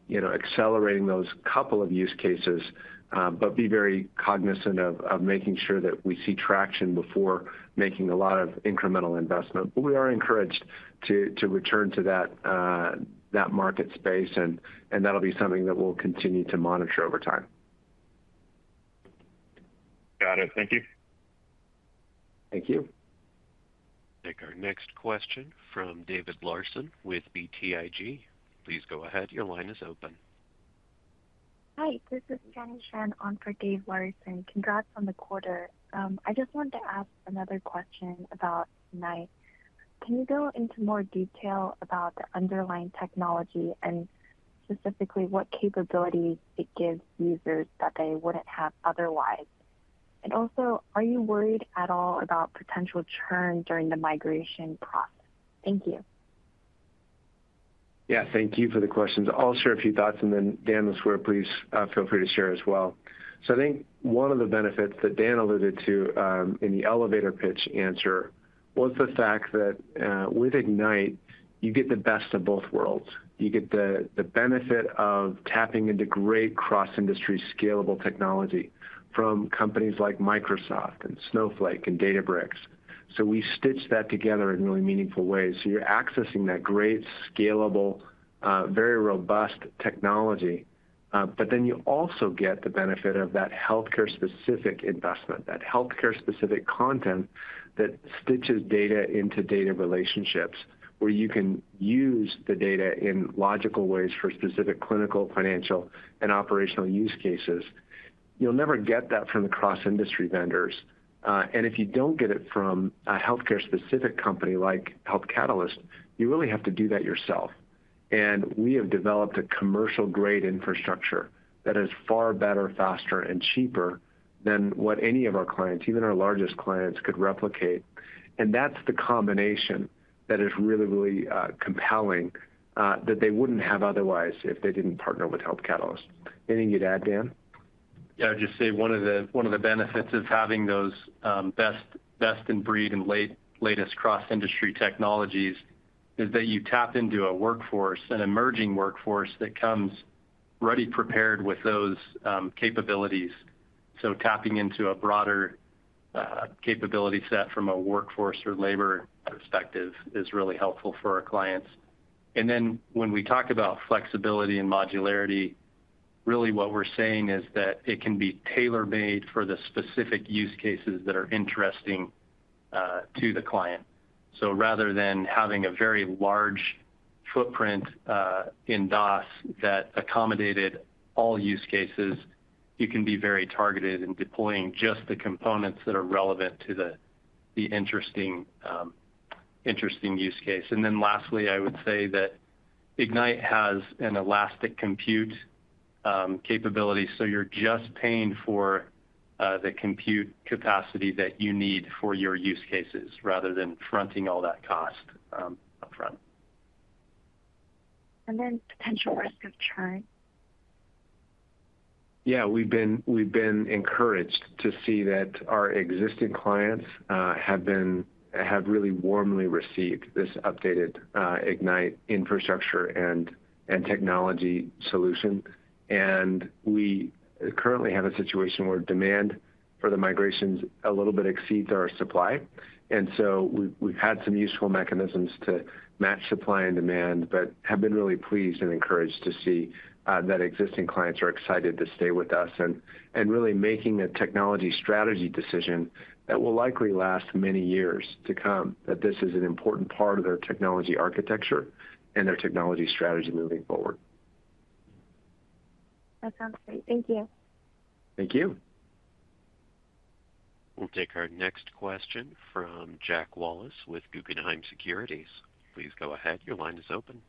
you know, accelerating those couple of use cases, but be very cognizant of making sure that we see traction before making a lot of incremental investment. But we are encouraged to return to that market space, and that'll be something that we'll continue to monitor over time. Got it. Thank you. Thank you. Take our next question from David Larsen with BTIG. Please go ahead. Your line is open. Hi, this is Jenny Shen on for David Larsen. Congrats on the quarter. I just wanted to ask another question about Ignite. Can you go into more detail about the underlying technology and specifically what capabilities it gives users that they wouldn't have otherwise? And also, are you worried at all about potential churn during the migration process? Thank you. Yeah, thank you for the questions. I'll share a few thoughts, and then Dan LeSueur, please feel free to share as well. So I think one of the benefits that Dan alluded to, in the elevator pitch answer, was the fact that, with Ignite, you get the best of both worlds. You get the, the benefit of tapping into great cross-industry, scalable technology from companies like Microsoft and Snowflake and Databricks. So we stitch that together in really meaningful ways. So you're accessing that great, scalable, very robust technology, but then you also get the benefit of that healthcare-specific investment, that healthcare-specific content that stitches data into data relationships, where you can use the data in logical ways for specific clinical, financial, and operational use cases. You'll never get that from the cross-industry vendors. If you don't get it from a healthcare-specific company like Health Catalyst, you really have to do that yourself. We have developed a commercial-grade infrastructure that is far better, faster, and cheaper than what any of our clients, even our largest clients, could replicate. That's the combination that is really, really compelling that they wouldn't have otherwise if they didn't partner with Health Catalyst. Anything you'd add, Dan? Yeah, I'd just say one of the benefits of having those best in breed and latest cross-industry technologies is that you tap into a workforce, an emerging workforce, that comes already prepared with those capabilities. So tapping into a broader capability set from a workforce or labor perspective is really helpful for our clients. And then when we talk about flexibility and modularity, really what we're saying is that it can be tailor-made for the specific use cases that are interesting to the client. So rather than having a very large footprint in DOS that accommodated all use cases, you can be very targeted in deploying just the components that are relevant to the interesting use case. And then lastly, I would say that Ignite has an elastic compute capability, so you're just paying for the compute capacity that you need for your use cases, rather than fronting all that cost upfront. Potential risk of churn? Yeah, we've been encouraged to see that our existing clients have really warmly received this updated Ignite infrastructure and technology solution. And we currently have a situation where demand for the migrations a little bit exceeds our supply. And so we've had some useful mechanisms to match supply and demand, but have been really pleased and encouraged to see that existing clients are excited to stay with us and really making a technology strategy decision that will likely last many years to come, that this is an important part of their technology architecture and their technology strategy moving forward. ... That sounds great. Thank you. Thank you. We'll take our next question from Jack Wallace with Guggenheim Securities. Please go ahead. Your line is open.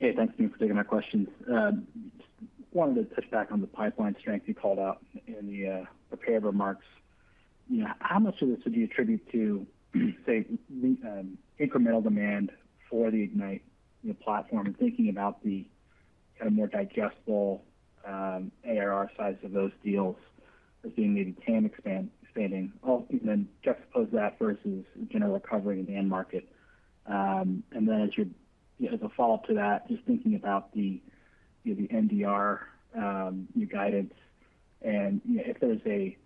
Hey, thanks again for taking my questions. Wanted to touch back on the pipeline strength you called out in the prepared remarks. You know, how much of this would you attribute to, say, incremental demand for the Ignite, you know, platform? And thinking about the kind of more digestible ARR sides of those deals as being maybe TAM expanding. Oh, and then juxtapose that versus general recovery in the end market. And then as a follow-up to that, just thinking about the, you know, the NDR, your guidance, and, you know, if there's a,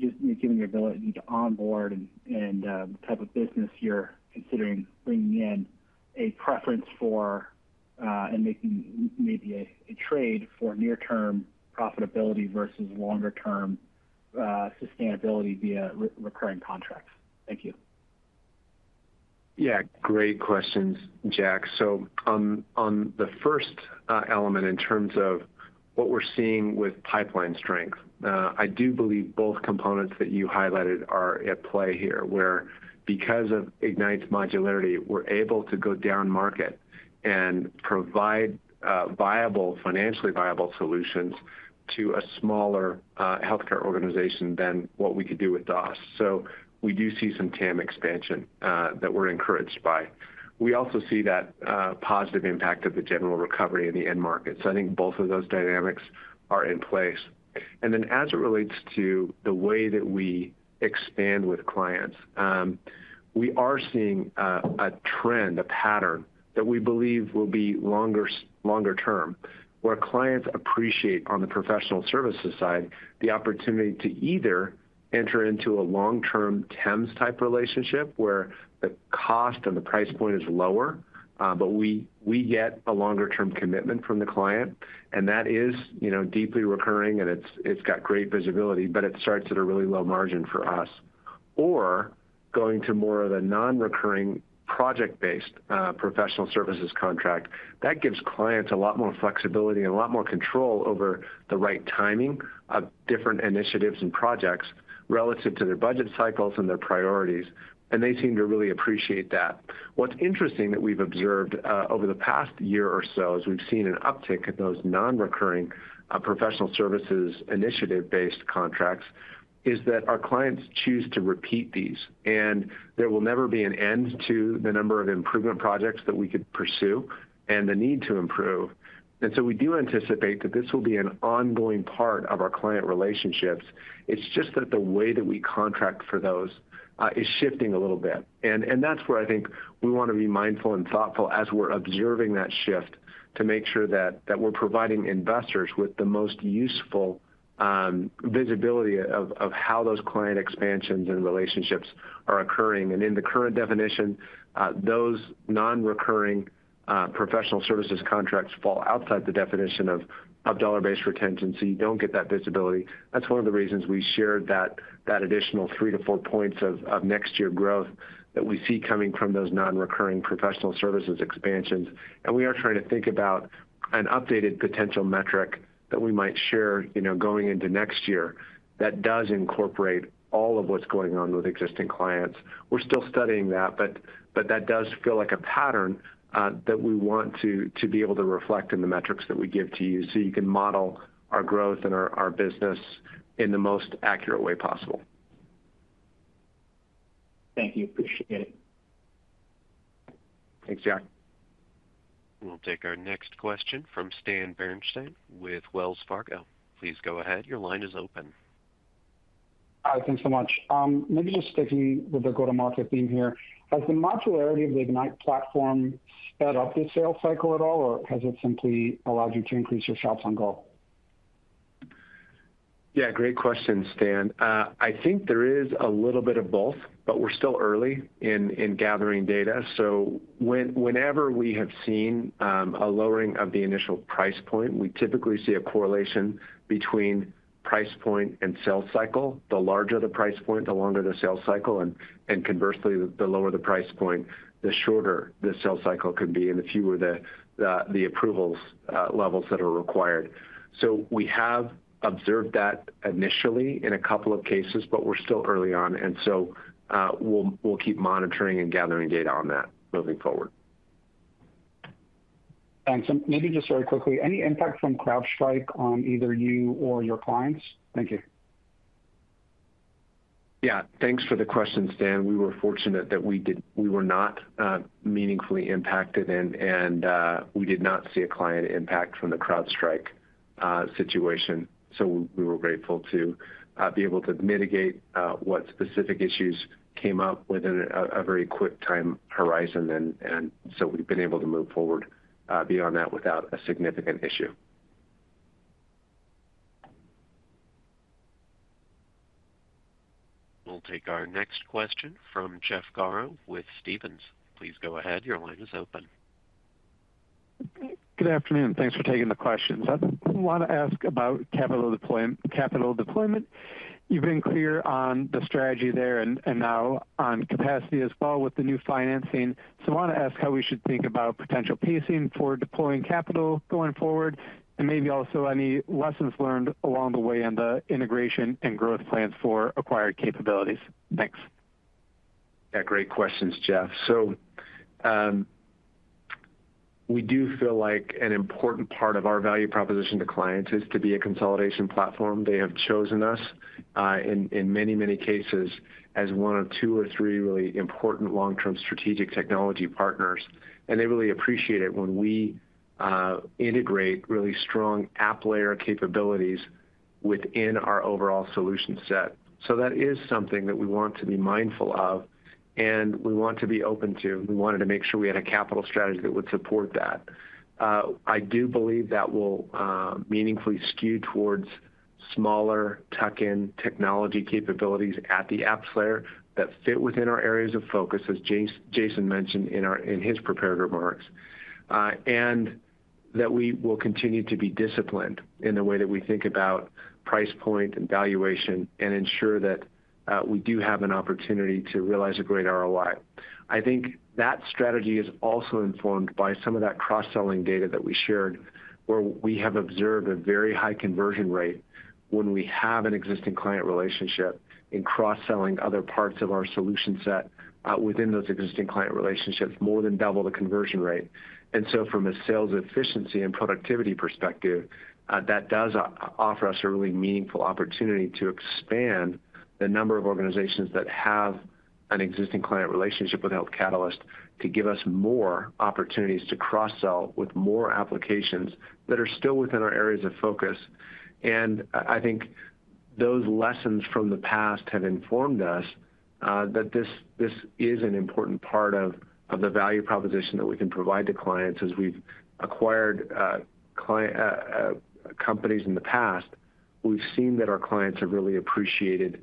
just given your ability to onboard and the type of business you're considering bringing in, a preference for, and making maybe a trade for near-term profitability versus longer-term sustainability via recurring contracts. Thank you. Yeah, great questions, Jack. So on, on the first element, in terms of what we're seeing with pipeline strength, I do believe both components that you highlighted are at play here, where because of Ignite's modularity, we're able to go down market and provide, viable, financially viable solutions to a smaller, healthcare organization than what we could do with DOS. So we do see some TAM expansion, that we're encouraged by. We also see that, positive impact of the general recovery in the end market. So I think both of those dynamics are in place. And then as it relates to the way that we expand with clients, we are seeing a trend, a pattern that we believe will be longer term, where clients appreciate, on the professional services side, the opportunity to either enter into a long-term TEMS-type relationship, where the cost and the price point is lower, but we get a longer-term commitment from the client, and that is, you know, deeply recurring, and it's got great visibility, but it starts at a really low margin for us. Or going to more of a non-recurring, project-based professional services contract. That gives clients a lot more flexibility and a lot more control over the right timing of different initiatives and projects relative to their budget cycles and their priorities, and they seem to really appreciate that. What's interesting that we've observed over the past year or so, as we've seen an uptick in those non-recurring professional services initiative-based contracts, is that our clients choose to repeat these, and there will never be an end to the number of improvement projects that we could pursue and the need to improve. And so we do anticipate that this will be an ongoing part of our client relationships. It's just that the way that we contract for those is shifting a little bit. And that's where I think we want to be mindful and thoughtful as we're observing that shift, to make sure that we're providing investors with the most useful visibility of how those client expansions and relationships are occurring. And in the current definition, those non-recurring professional services contracts fall outside the definition of dollar-based retention, so you don't get that visibility. That's one of the reasons we shared that additional 3-4 points of next-year growth that we see coming from those non-recurring professional services expansions. And we are trying to think about an updated potential metric that we might share, you know, going into next year, that does incorporate all of what's going on with existing clients. We're still studying that, but that does feel like a pattern that we want to be able to reflect in the metrics that we give to you, so you can model our growth and our business in the most accurate way possible. Thank you. Appreciate it. Thanks, Jack. We'll take our next question from Stan Berenshteyn with Wells Fargo. Please go ahead. Your line is open. Hi, thanks so much. Maybe just sticking with the go-to-market theme here. Has the modularity of the Ignite platform sped up the sales cycle at all, or has it simply allowed you to increase your shots on goal? Yeah, great question, Stan. I think there is a little bit of both, but we're still early in gathering data. So whenever we have seen a lowering of the initial price point, we typically see a correlation between price point and sales cycle. The larger the price point, the longer the sales cycle, and conversely, the lower the price point, the shorter the sales cycle can be and the fewer the approvals levels that are required. So we have observed that initially in a couple of cases, but we're still early on, and so we'll keep monitoring and gathering data on that moving forward. And so maybe just very quickly, any impact from CrowdStrike on either you or your clients? Thank you. Yeah, thanks for the question, Stan. We were fortunate that we were not meaningfully impacted, and, and, we did not see a client impact from the CrowdStrike situation. So we were grateful to be able to mitigate what specific issues came up within a very quick time horizon. And, and so we've been able to move forward beyond that without a significant issue. We'll take our next question from Jeff Garro with Stephens. Please go ahead. Your line is open. Good afternoon. Thanks for taking the questions. I want to ask about capital deployment. You've been clear on the strategy there and now on capacity as well with the new financing. I want to ask how we should think about potential pacing for deploying capital going forward, and maybe also any lessons learned along the way on the integration and growth plans for acquired capabilities. Thanks. Yeah, great questions, Jeff. So, we do feel like an important part of our value proposition to clients is to be a consolidation platform. They have chosen us, in, in many, many cases, as one of two or three really important long-term strategic technology partners. And they really appreciate it when we integrate really strong app layer capabilities within our overall solution set. So that is something that we want to be mindful of, and we want to be open to. We wanted to make sure we had a capital strategy that would support that. I do believe that will meaningfully skew towards smaller tuck-in technology capabilities at the apps layer that fit within our areas of focus, as Jason mentioned in his prepared remarks. And that we will continue to be disciplined in the way that we think about price point and valuation and ensure that we do have an opportunity to realize a great ROI. I think that strategy is also informed by some of that cross-selling data that we shared, where we have observed a very high conversion rate when we have an existing client relationship in cross-selling other parts of our solution set, within those existing client relationships, more than double the conversion rate. And so from a sales efficiency and productivity perspective, that does offer us a really meaningful opportunity to expand the number of organizations that have an existing client relationship with Health Catalyst to give us more opportunities to cross-sell with more applications that are still within our areas of focus. I think those lessons from the past have informed us that this is an important part of the value proposition that we can provide to clients. As we've acquired companies in the past, we've seen that our clients have really appreciated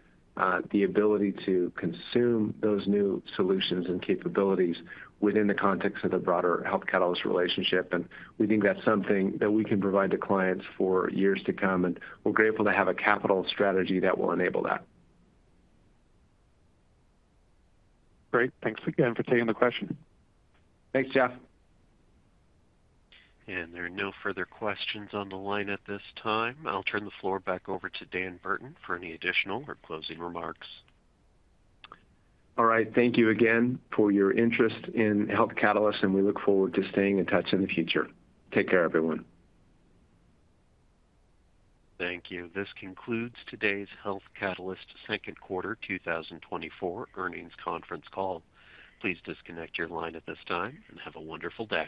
the ability to consume those new solutions and capabilities within the context of the broader Health Catalyst relationship, and we think that's something that we can provide to clients for years to come, and we're grateful to have a capital strategy that will enable that. Great. Thanks again for taking the question. Thanks, Jeff. There are no further questions on the line at this time. I'll turn the floor back over to Dan Burton for any additional or closing remarks. All right. Thank you again for your interest in Health Catalyst, and we look forward to staying in touch in the future. Take care, everyone. Thank you. This concludes today's Health Catalyst second quarter 2024 earnings conference call. Please disconnect your line at this time, and have a wonderful day.